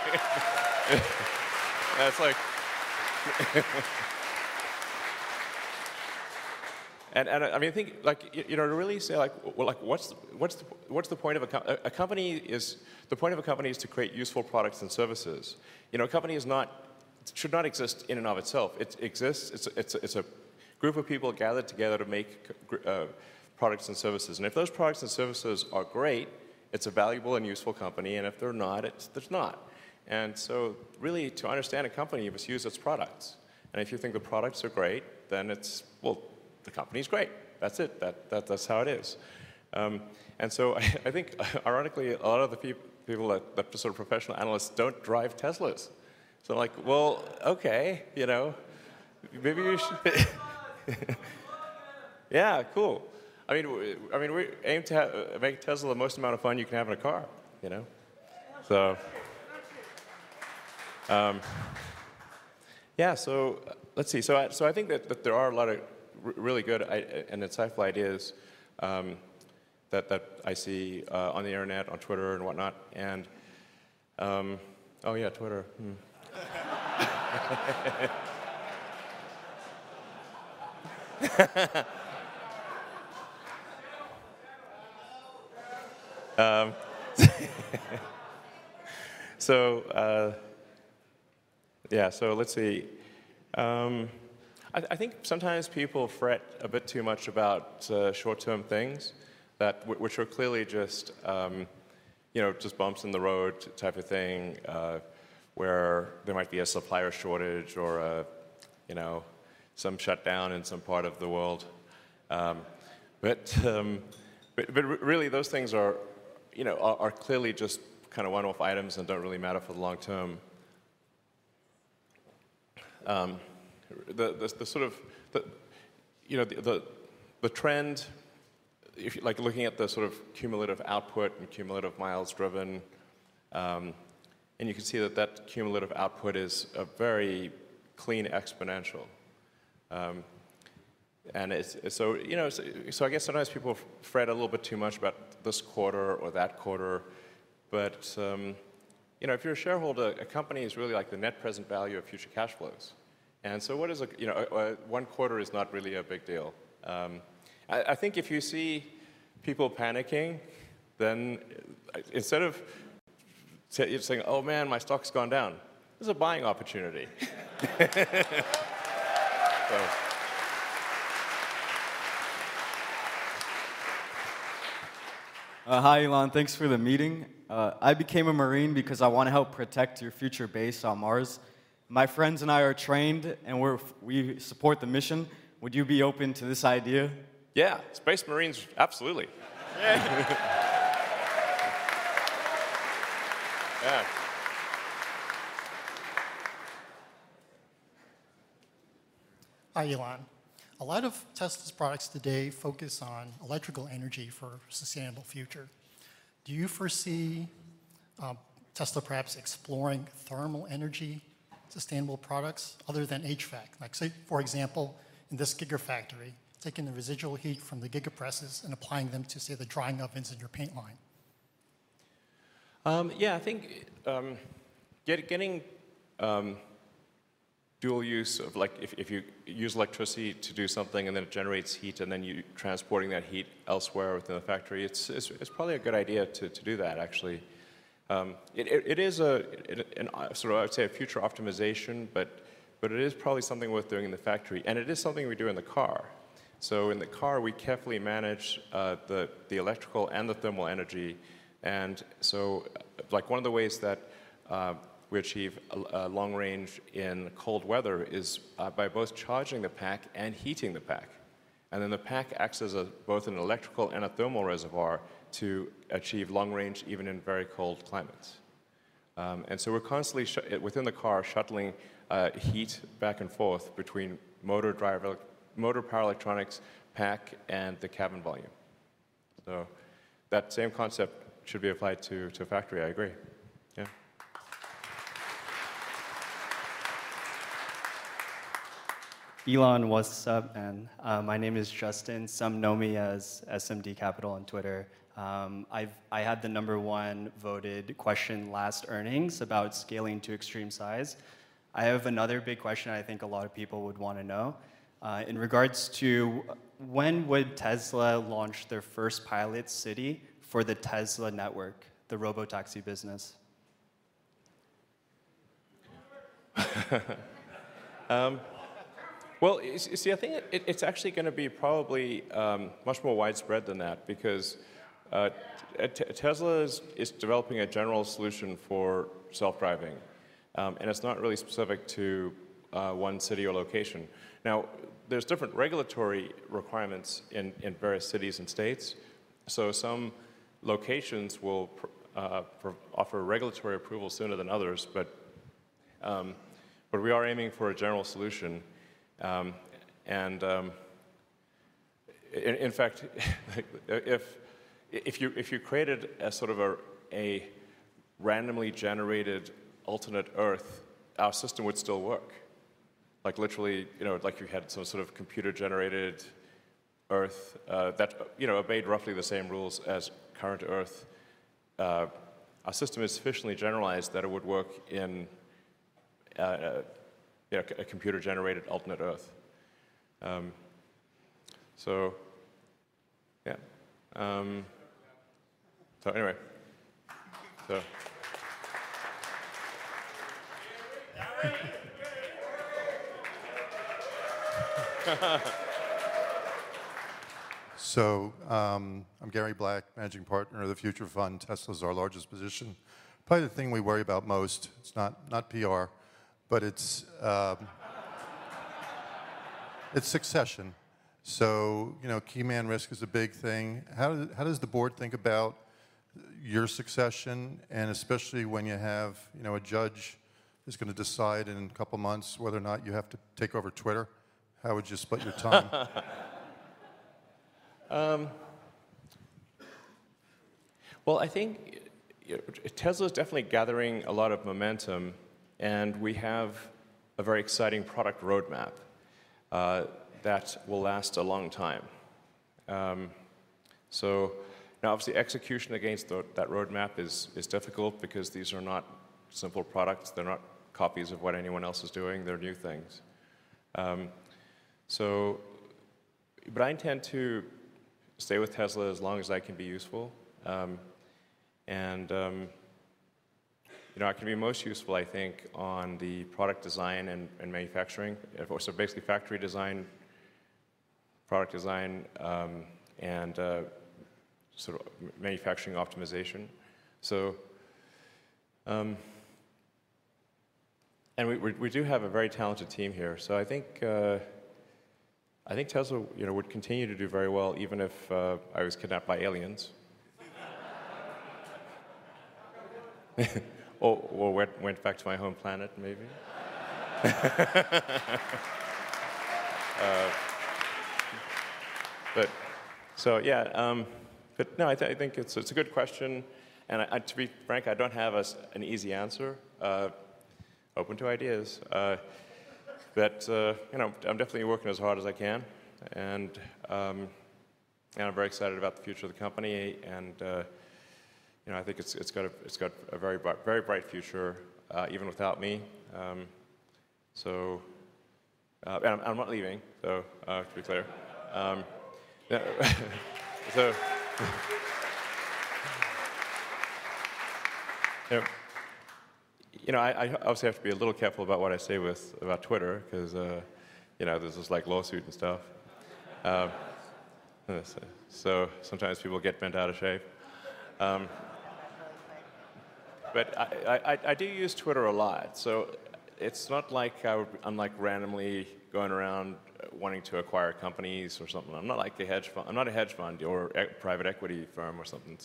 It's like. I mean, think like you know, to really say like well like what's the point of a company. The point of a company is to create useful products and services. You know, a company is not, should not exist in and of itself. It exists, it's a group of people gathered together to make products and services, and if those products and services are great, it's a valuable and useful company, and if they're not, it's not. Really to understand a company, you must use its products, and if you think the products are great, then it's, well, the company's great. That's it. That's how it is. I think ironically a lot of the people that are sort of professional analysts don't drive Teslas. Like, well, okay, you know. Maybe you should We love them. We love them. Yeah. Cool. I mean, we aim to make Tesla the most amount of fun you can have in a car, you know? Yeah, let's see. I think that there are a lot of really good and insightful ideas that I see on the internet, on Twitter and whatnot. Oh yeah, Twitter. Sell, sell. Sell. I think sometimes people fret a bit too much about short-term things which are clearly just you know just bumps in the road type of thing where there might be a supplier shortage or a you know some shutdown in some part of the world. Really those things are you know are clearly just kind of one-off items and don't really matter for the long term. The sort of trend if like looking at the sort of cumulative output and cumulative miles driven and you can see that cumulative output is a very clean exponential. You know, I guess sometimes people fret a little bit too much about this quarter or that quarter but, you know, if you're a shareholder, a company is really like the net present value of future cash flows. What does a one quarter matter? It's not really a big deal. I think if you see people panicking, then instead of saying, "Oh man, my stock's gone down," this is a buying opportunity. Hi, Elon. Thanks for the meeting. I became a Marine because I wanna help protect your future base on Mars. My friends and I are trained, and we support the mission. Would you be open to this idea? Yeah. Space Marines, absolutely. Yeah. Hi, Elon. A lot of Tesla's products today focus on electrical energy for sustainable future. Do you foresee Tesla perhaps exploring thermal energy sustainable products other than HVAC? Like, say, for example, in this Gigafactory, taking the residual heat from the Giga Presses and applying them to, say, the drying ovens in your paint line. Yeah, I think getting dual use of, like, if you use electricity to do something and then it generates heat, and then you're transporting that heat elsewhere within the factory, it's probably a good idea to do that, actually. It is a sort of, I would say, a future optimization, but it is probably something worth doing in the factory, and it is something we do in the car. In the car, we carefully manage the electrical and the thermal energy, and so, like, one of the ways that we achieve a long range in cold weather is by both charging the pack and heating the pack. Then the pack acts as both an electrical and a thermal reservoir to achieve long range even in very cold climates. We're constantly shuttling within the car heat back and forth between motor driver, motor power electronics pack and the cabin volume. That same concept should be applied to a factory, I agree. Yeah. Elon, what's up, man? My name is Justin. Some know me as SMD Capital on Twitter. I had the number one voted question last earnings about scaling to extreme size. I have another big question I think a lot of people would wanna know, in regards to when would Tesla launch their first pilot city for the Tesla network, the Robotaxi business? Well, you see, I think it's actually gonna be probably much more widespread than that because. Yeah Tesla is developing a general solution for self-driving, and it's not really specific to one city or location. Now, there's different regulatory requirements in various cities and states, so some locations will offer regulatory approval sooner than others. We are aiming for a general solution. In fact, if you created a sort of a randomly generated alternate Earth, our system would still work. Like literally, you know, like if you had some sort of computer-generated Earth, that you know, obeyed roughly the same rules as current Earth, our system is sufficiently generalized that it would work in yeah, a computer-generated alternate Earth. Yeah. Anyway. I'm Gary Black, Managing Partner of The Future Fund. Tesla's our largest position. Probably the thing we worry about most, it's not PR, but it's succession. You know, key man risk is a big thing. How does the board think about your succession, and especially when you have, you know, a judge who's gonna decide in a couple months whether or not you have to take over Twitter? How would you split your time? Well, I think Tesla's definitely gathering a lot of momentum, and we have a very exciting product roadmap that will last a long time. Now obviously execution against that roadmap is difficult because these are not simple products. They're not copies of what anyone else is doing. They're new things. I intend to stay with Tesla as long as I can be useful. You know, I can be most useful, I think, on the product design and manufacturing. Of course, basically factory design, product design, and sort of manufacturing optimization. We do have a very talented team here. I think Tesla, you know, would continue to do very well even if I was kidnapped by aliens. Went back to my home planet maybe. Yeah. No, I think it's a good question, and to be frank, I don't have an easy answer. Open to ideas. You know, I'm definitely working as hard as I can, and I'm very excited about the future of the company. You know, I think it's got a very bright future, even without me. I'm not leaving, to be clear. You know, I obviously have to be a little careful about what I say about Twitter 'cause you know, there's this like lawsuit and stuff. Sometimes people get bent out of shape. I do use Twitter a lot, so it's not like I'm like randomly going around wanting to acquire companies or something. I'm not like the hedge fund. I'm not a hedge fund or private equity firm or something.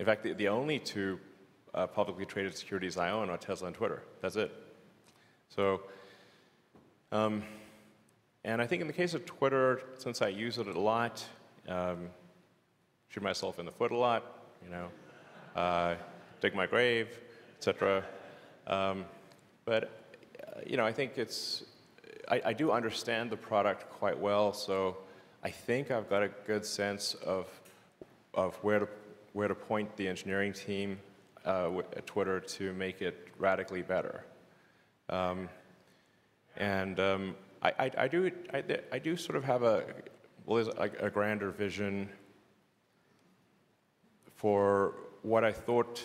In fact, the only two publicly traded securities I own are Tesla and Twitter. That's it. I think in the case of Twitter, since I use it a lot, shoot myself in the foot a lot, you know, dig my grave, et cetera. You know, I do understand the product quite well, so I think I've got a good sense of where to point the engineering team with Twitter to make it radically better. I do sort of have a well, a grander vision for what I thought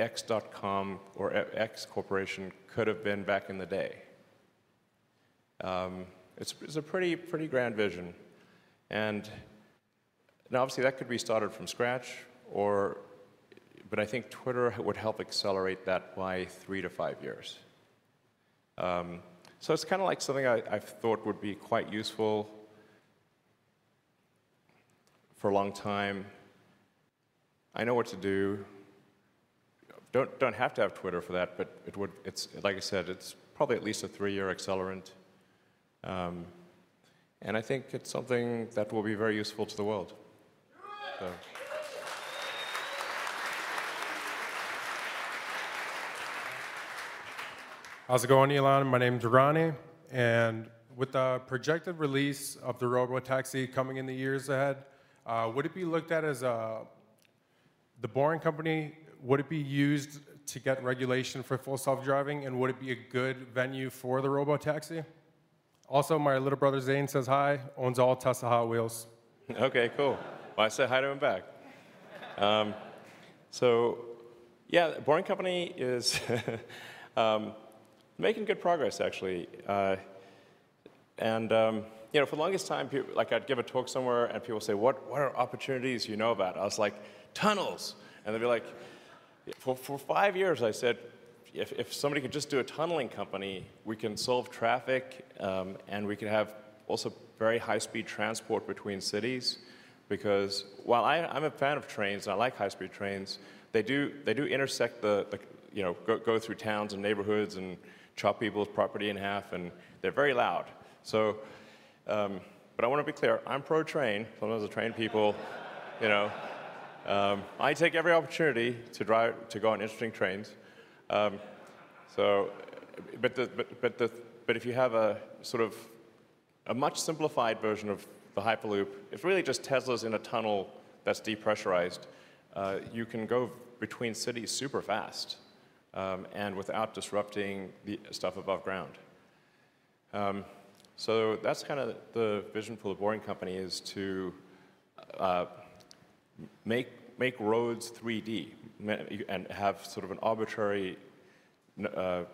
X.com or X Corp. could have been back in the day. It's a pretty grand vision, and obviously that could be started from scratch, or I think Twitter would help accelerate that by 3-5 years. It's kinda like something I thought would be quite useful for a long time. I know what to do. Don't have to have Twitter for that, but it would. It's, like I said, it's probably at least a three-year accelerant, and I think it's something that will be very useful to the world. Do it. So- How's it going, Elon? My name's Ronnie. With the projected release of the Robotaxi coming in the years ahead, The Boring Company, would it be used to get regulation for full self-driving, and would it be a good venue for the Robotaxi? Also, my little brother Zayn says hi. Owns all Tesla Hot Wheels. Okay, cool. Well, I say hi to him back. So yeah, The Boring Company is making good progress actually. You know, for the longest time like, I'd give a talk somewhere, and people would say, "What are opportunities you know about?" I was like, "Tunnels." They'd be like. For five years I said, "If somebody could just do a tunneling company, we can solve traffic, and we can have also very high speed transport between cities." Because while I'm a fan of trains and I like high speed trains, they do intersect the you know, go through towns and neighborhoods and chop people's property in half, and they're very loud. But I wanna be clear, I'm pro-train. Some of those are train people. You know, I take every opportunity to go on interesting trains. If you have a sort of a much simplified version of the Hyperloop, it's really just Teslas in a tunnel that's depressurized. You can go between cities super fast, and without disrupting the stuff above ground. That's kinda the vision for The Boring Company is to make roads 3D and have sort of an arbitrary number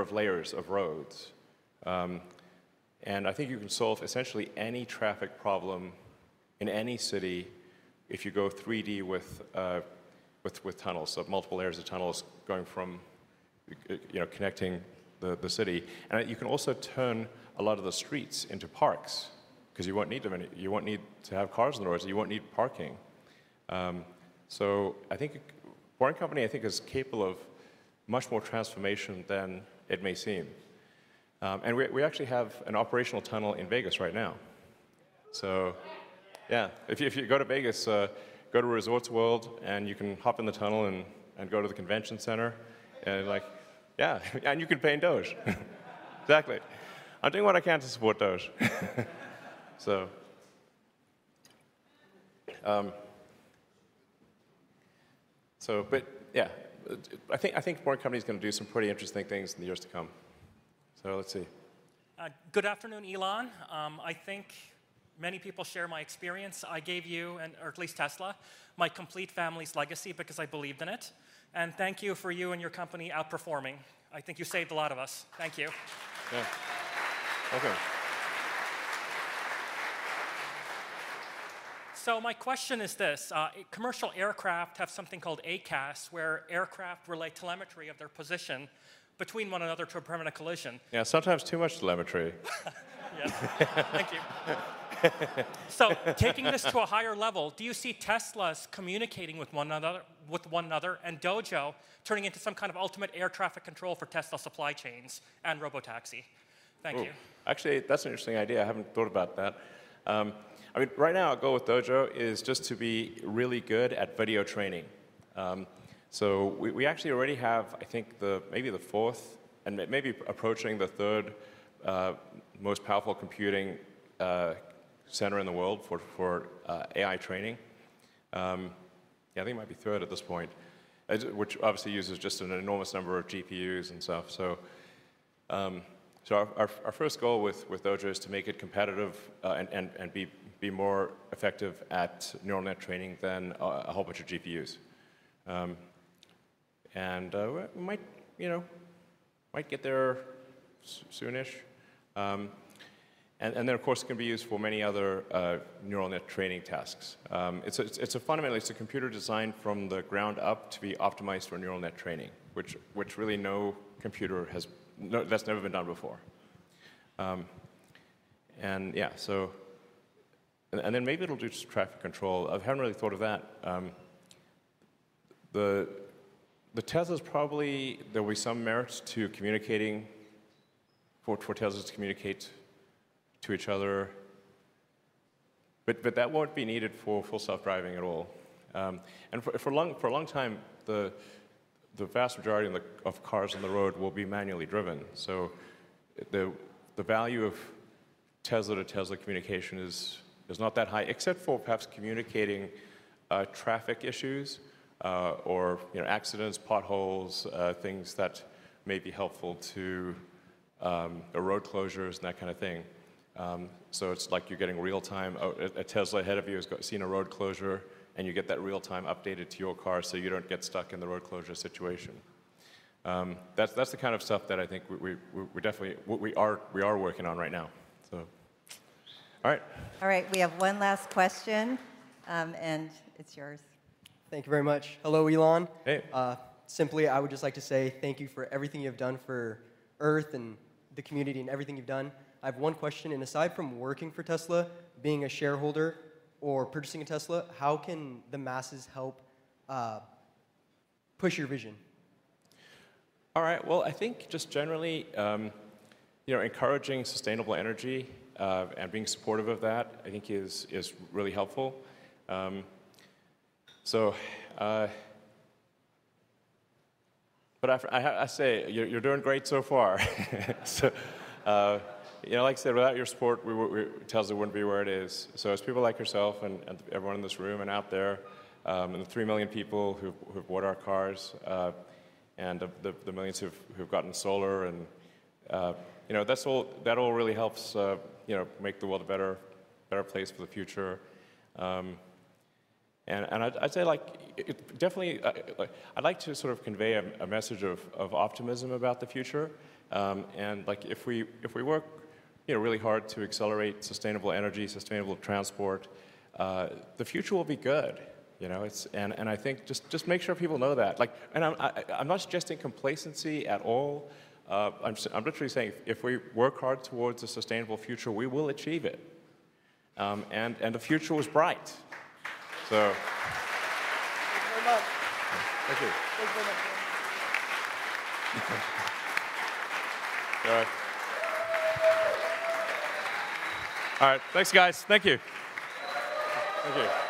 of layers of roads. I think you can solve essentially any traffic problem in any city if you go 3D with tunnels. Multiple layers of tunnels going from connecting the city. You can also turn a lot of the streets into parks 'cause you won't need them. You won't need to have cars on the roads, and you won't need parking. I think The Boring Company is capable of much more transformation than it may seem. We actually have an operational tunnel in Vegas right now. Yeah, if you go to Vegas, go to Resorts World, and you can hop in the tunnel and go to the convention center and like. Yeah. You can pay in Doge. Exactly. I'm doing what I can to support Doge. But yeah, I think The Boring Company's gonna do some pretty interesting things in the years to come. Let's see. Good afternoon, Elon. I think many people share my experience. I gave you, and or at least Tesla, my complete family's legacy because I believed in it, and thank you for you and your company outperforming. I think you saved a lot of us. Thank you. Yeah. Okay. My question is this. Commercial aircraft have something called ACAS, where aircraft relay telemetry of their position between one another to prevent a collision. Yeah, sometimes too much telemetry. Yeah. Thank you. Taking this to a higher level, do you see Teslas communicating with one another, and Dojo turning into some kind of ultimate air traffic control for Tesla supply chains and Robotaxi? Thank you. Actually, that's an interesting idea. I haven't thought about that. I mean, right now our goal with Dojo is just to be really good at video training. We actually already have, I think, maybe the fourth and maybe approaching the third most powerful computing center in the world for AI training. Yeah, I think it might be third at this point. Which obviously uses just an enormous number of GPUs and stuff. Our first goal with Dojo is to make it competitive and be more effective at neural net training than a whole bunch of GPUs. We might, you know, might get there soon-ish. Then of course it can be used for many other neural net training tasks. It's a computer designed from the ground up to be optimized for neural net training, which really no computer has. No, that's never been done before. Then maybe it'll do just traffic control. I haven't really thought of that. The Teslas probably there'll be some merits to communicating, for Teslas to communicate to each other, but that won't be needed for full self-driving at all. For a long time, the vast majority of the cars on the road will be manually driven. The value of Tesla-to-Tesla communication is not that high, except for perhaps communicating traffic issues or, you know, accidents, potholes, things that may be helpful to or road closures and that kind of thing. It's like you're getting real-time, a Tesla ahead of you has seen a road closure, and you get that real-time updated to your car, so you don't get stuck in the road closure situation. That's the kind of stuff that I think we're definitely working on right now. All right. All right, we have one last question. It's yours. Thank you very much. Hello, Elon. Hey. Simply, I would just like to say thank you for everything you've done for Earth and the community and everything you've done. I have one question, and aside from working for Tesla, being a shareholder, or purchasing a Tesla, how can the masses help push your vision? All right. Well, I think just generally, you know, encouraging sustainable energy and being supportive of that I think is really helpful. I say, you're doing great so far. You know, like I said, without your support, Tesla wouldn't be where it is. It's people like yourself and everyone in this room and out there, and the 3 million people who've bought our cars, and the millions who've gotten solar, you know, that all really helps, you know, make the world a better place for the future. I'd say, like, definitely, like, I'd like to sort of convey a message of optimism about the future. Like, if we work, you know, really hard to accelerate sustainable energy, sustainable transport, the future will be good. You know? I think just make sure people know that. Like, I'm not suggesting complacency at all. I'm literally saying if we work hard towards a sustainable future, we will achieve it. The future is bright, so. Thank you very much. Thank you. Thanks very much, Elon. All right, thanks, guys. Thank you. All right.